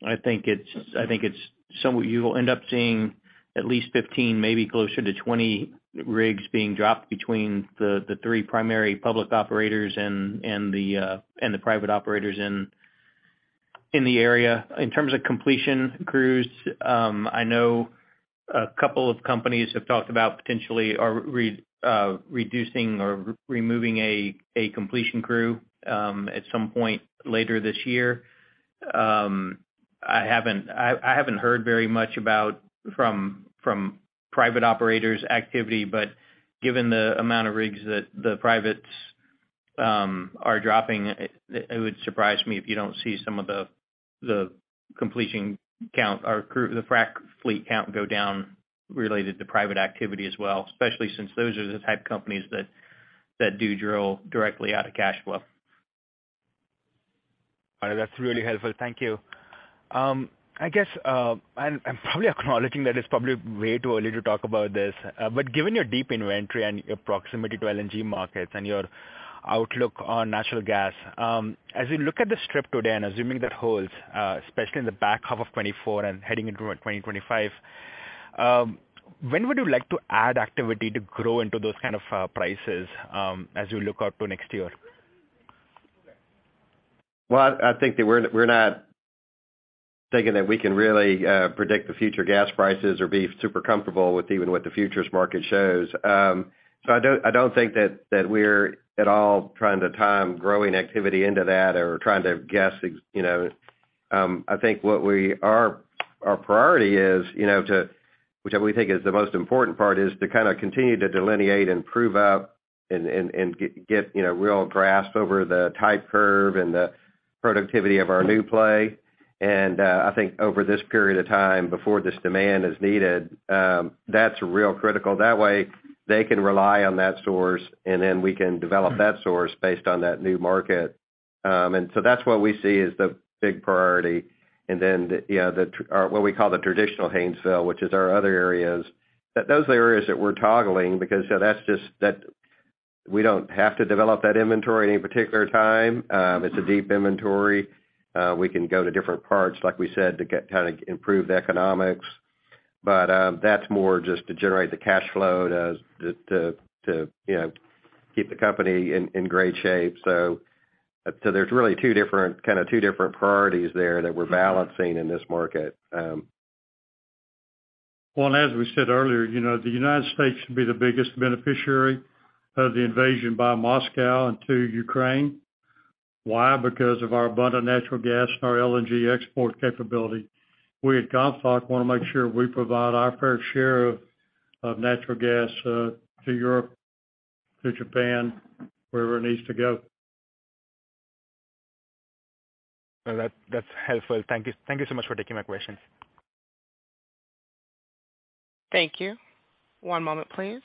I think it's somewhat... You will end up seeing at least 15, maybe closer to 20 rigs being dropped between the three primary public operators and the private operators in the area. In terms of completion crews, I know a couple of companies have talked about potentially reducing or removing a completion crew at some point later this year. I haven't, I haven't heard very much about from private operators activity. But given the amount of rigs that the privates are dropping, it would surprise me if you don't see some of the completion count or crew, the frack fleet count go down related to private activity as well, especially since those are the type of companies that do drill directly out of cash flow. All right. That's really helpful. Thank you. I guess, I'm probably acknowledging that it's probably way too early to talk about this. Given your deep inventory and your proximity to LNG markets and your outlook on natural gas, as we look at the strip today and assuming that holds, especially in the back half of 2024 and heading into 2025, when would you like to add activity to grow into those kind of prices, as you look out to next year? I think that we're not thinking that we can really predict the future gas prices or be super comfortable with even what the futures market shows. I don't think that we're at all trying to time growing activity into that or trying to guess, you know. I think our priority is, you know, to which I really think is the most important part, is to kind of continue to delineate and prove out and get, you know, real grasp over the type curve and the productivity of our new play. I think over this period of time before this demand is needed, that's real critical. That way, they can rely on that source, and then we can develop that source based on that new market. That's what we see as the big priority. you know, our, what we call the traditional Haynesville, which is our other areas, that those are areas that we're toggling because, you know, that's just that we don't have to develop that inventory at any particular time. It's a deep inventory. We can go to different parts, like we said, to kind of improve the economics. That's more just to generate the cash flow to, you know, keep the company in great shape. There's really two different, kind of, two different priorities there that we're balancing in this market. Well, as we said earlier, you know, the United States should be the biggest beneficiary of the invasion by Moscow into Ukraine. Why? Because of our abundant natural gas and our LNG export capability. We at Gulfport want to make sure we provide our fair share of natural gas to Europe, to Japan, wherever it needs to go. Well, that's helpful. Thank you. Thank you so much for taking my questions. Thank you. One moment, please.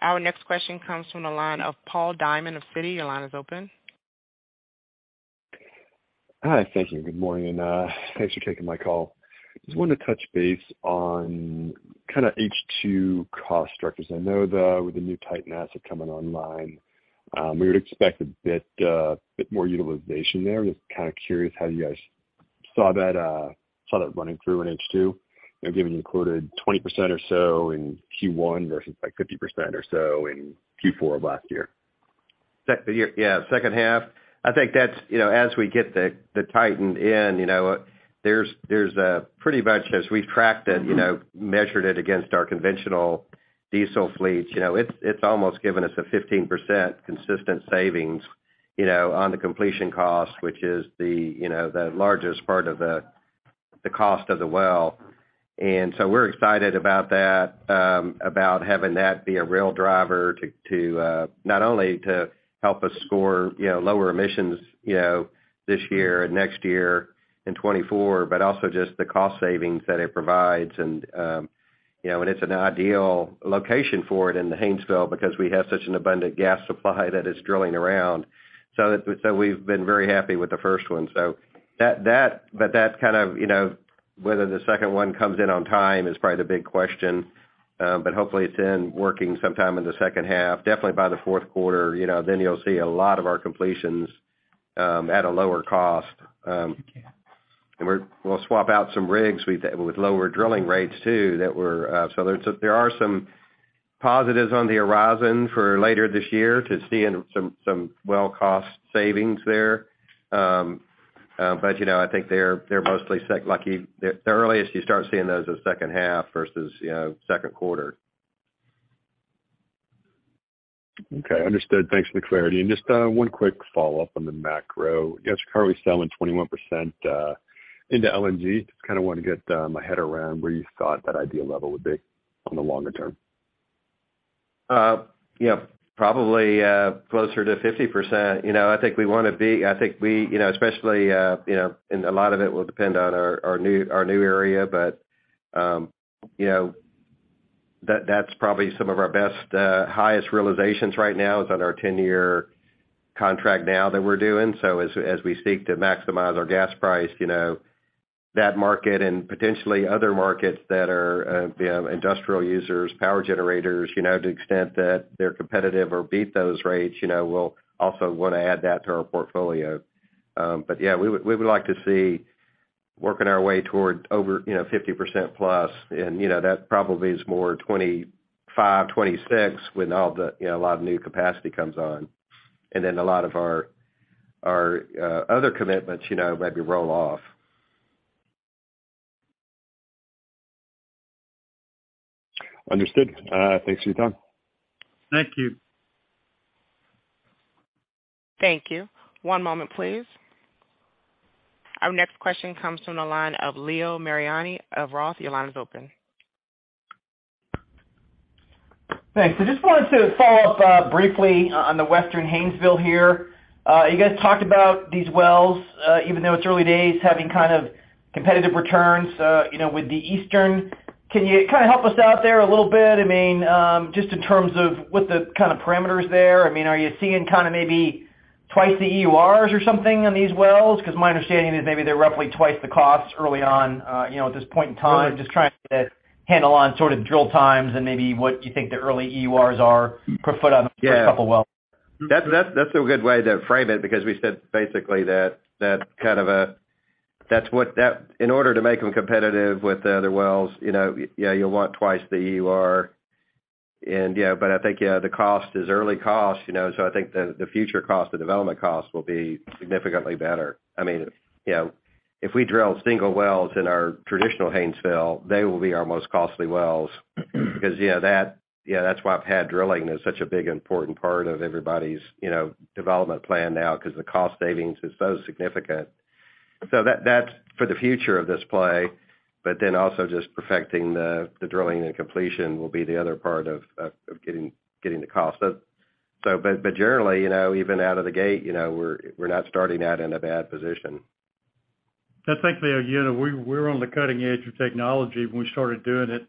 Our next question comes from the line of Paul Diamond of Citi. Your line is open. Hi. Thank you. Good morning. Thanks for taking my call. Just wanted to touch base on kind of H2 cost structures. I know with the new TITAN asset coming online, we would expect a bit more utilization there. Just kind of curious how you guys saw that running through in H2. You know, given you included 20% or so in Q1 versus, like, 50% or so in Q4 of last year. Yeah, second half. I think that's, you know, as we get the TITAN in, you know, there's pretty much as we've tracked it, you know, measured it against our conventional diesel fleets, you know, it's almost given us a 15% consistent savings, you know, on the completion cost, which is the, you know, the largest part of the cost of the well. We're excited about that, about having that be a real driver to not only to help us score, you know, lower emissions, you know, this year and next year in 2024, but also just the cost savings that it provides and, you know, and it's an ideal location for it in the Haynesville because we have such an abundant gas supply that is drilling around. We've been very happy with the first one. That's kind of, you know, whether the second one comes in on time is probably the big question. Hopefully it's in working sometime in the second half, definitely by the fourth quarter, you know, you'll see a lot of our completions at a lower cost. We'll swap out some rigs with lower drilling rates too, that we're. There are some positives on the horizon for later this year to see in some well cost savings there. You know, I think they're mostly the earliest you start seeing those is second half versus, you know, second quarter. Okay, understood. Thanks for the clarity. Just one quick follow-up on the macro. You guys are currently selling 21% into LNG. Just kinda wanna get my head around where you thought that ideal level would be on the longer term? Yeah, probably closer to 50%. You know, I think we, you know, especially, you know, and a lot of it will depend on our new, our new area. You know, that's probably some of our best, highest realizations right now is on our 10-year contract now that we're doing. As, as we seek to maximize our gas price, you know, that market and potentially other markets that are, you know, industrial users, power generators, you know, to the extent that they're competitive or beat those rates, you know, we'll also wanna add that to our portfolio. Yeah, we would, we would like to see working our way toward over, you know, 50% plus. You know, that probably is more 2025, 2026 when all the, you know, a lot of new capacity comes on. Then a lot of our other commitments, you know, maybe roll off. Understood. Thanks for your time. Thank you. Thank you. One moment, please. Our next question comes from the line of Leo Mariani of Roth. Your line is open. Thanks. I just wanted to follow up briefly on the Western Haynesville here. You guys talked about these wells, even though it's early days, having kind of competitive returns, you know, with the Eastern. Can you kinda help us out there a little bit? I mean, just in terms of what the kind of parameters there. I mean, are you seeing kinda maybe twice the EURs or something on these wells? 'Cause my understanding is maybe they're roughly twice the costs early on, you know, at this point in time. Just trying to get a handle on sort of drill times and maybe what you think the early EURs are per foot on the first couple wells. Yeah. That's a good way to frame it because we said basically that kind of a... in order to make them competitive with the other wells, you know, yeah, you'll want twice the EUR. Yeah, but I think, you know, the cost is early cost, you know, so I think the future cost, the development cost will be significantly better. I mean, you know, if we drill single wells in our traditional Haynesville, they will be our most costly wells. You know, that, you know, that's why pad drilling is such a big important part of everybody's, you know, development plan now because the cost savings is so significant. That, that's for the future of this play, but then also just perfecting the drilling and completion will be the other part of getting the cost. Generally, you know, even out of the gate, you know, we're not starting out in a bad position. I think, Leo, you know, we're on the cutting edge of technology when we started doing it.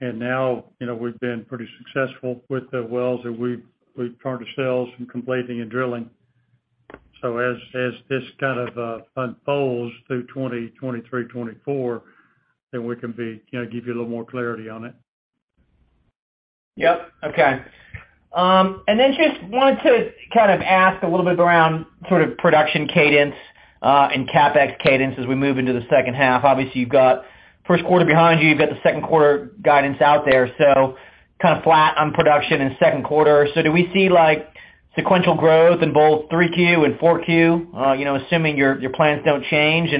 Now, you know, we've been pretty successful with the wells that we've turned to sales from completing and drilling. As this kind of unfolds through 2023, 2024, then we can be, you know, give you a little more clarity on it. Yep. Okay. Just wanted to kind of ask a little bit around sort of production cadence and CapEx cadence as we move into the second half. Obviously, you've got first quarter behind you. You've got the second quarter guidance out there. Kind of flat on production in second quarter. Do we see like sequential growth in both 3Q and 4Q, you know, assuming your plans don't change?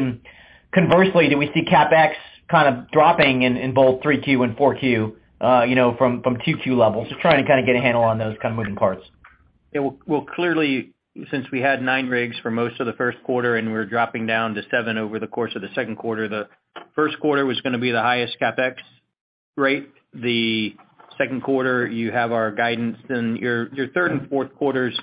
Conversely, do we see CapEx kind of dropping in both3Q and 4Q, you know, from 2Q levels? Just trying to kinda get a handle on those kind of moving parts. Well, clearly, since we had nine rigs for most of the first quarter and we're dropping down to seven over the course of the second quarter, the first quarter was gonna be the highest CapEx rate. The second quarter, you have our guidance. Your third and fourth quarters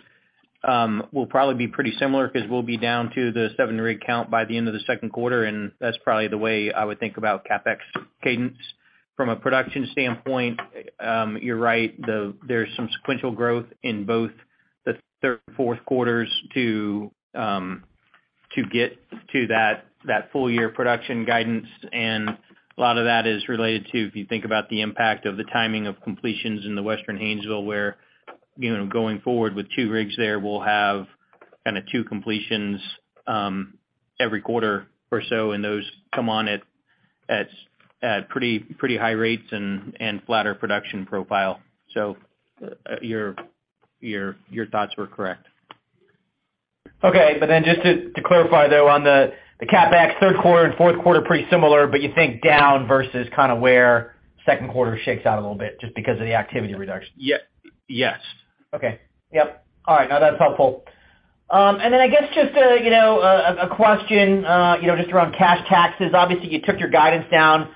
will probably be pretty similar 'cause we'll be down to the seven rig count by the end of the second quarter, and that's probably the way I would think about CapEx cadence. From a production standpoint, you're right, there's some sequential growth in both the third and fourth quarters to get to that full year production guidance. A lot of that is related to, if you think about the impact of the timing of completions in the Western Haynesville, where, you know, going forward with two rigs there, we'll have kind of two completions every quarter or so, and those come on at pretty high rates and flatter production profile. Your thoughts were correct. Okay. just to clarify though, on the CapEx third quarter and fourth quarter, pretty similar, but you think down versus kinda where second quarter shakes out a little bit just because of the activity reduction? Ye-yes. Okay. Yep. All right, no that's helpful. I guess just a, you know, a question just around cash taxes. Obviously you took your guidance down,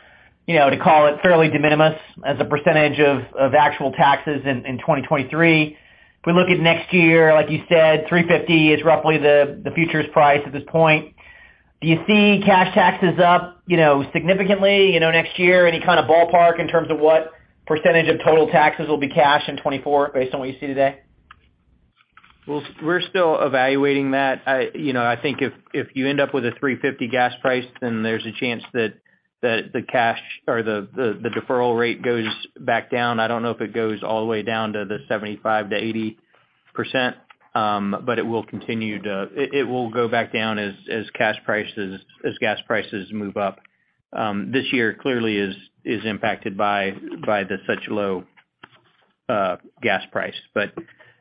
you know, to call it fairly de minimis as a percentage of actual taxes in 2023. If we look at next year, like you said, $3.50 is roughly the futures price at this point. Do you see cash taxes up significantly next year? Any kind of ballpark in terms of what percentage of total taxes will be cash in 2024 based on what you see today? We're still evaluating that. I, you know, I think if you end up with a $3.50 gas price, then there's a chance that the cash or the deferral rate goes back down. I don't know if it goes all the way down to the 75%-80%, but it will go back down as gas prices move up. This year clearly is impacted by the such low gas price.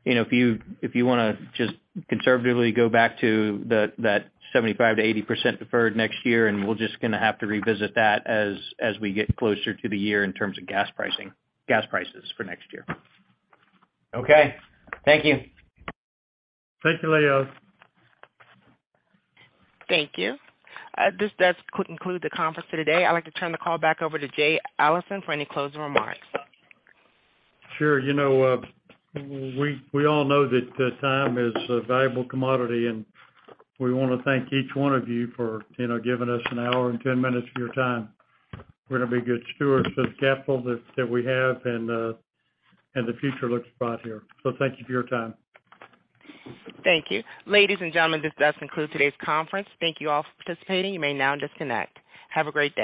You know, if you, if you wanna just conservatively go back to the, that 75%-80% deferred next year, and we're just gonna have to revisit that as we get closer to the year in terms of gas prices for next year. Okay. Thank you. Thank you, Leo. Thank you. This does conclude the conference for today. I'd like to turn the call back over to Jay Allison for any closing remarks. Sure. You know, we all know that time is a valuable commodity. We wanna thank each one of you for you know, giving us an hour and 10 minutes of your time. We're gonna be good stewards of the capital that we have. The future looks bright here. Thank you for your time. Thank you. Ladies and gentlemen, this does conclude today's conference. Thank you all for participating. You may now disconnect. Have a great day.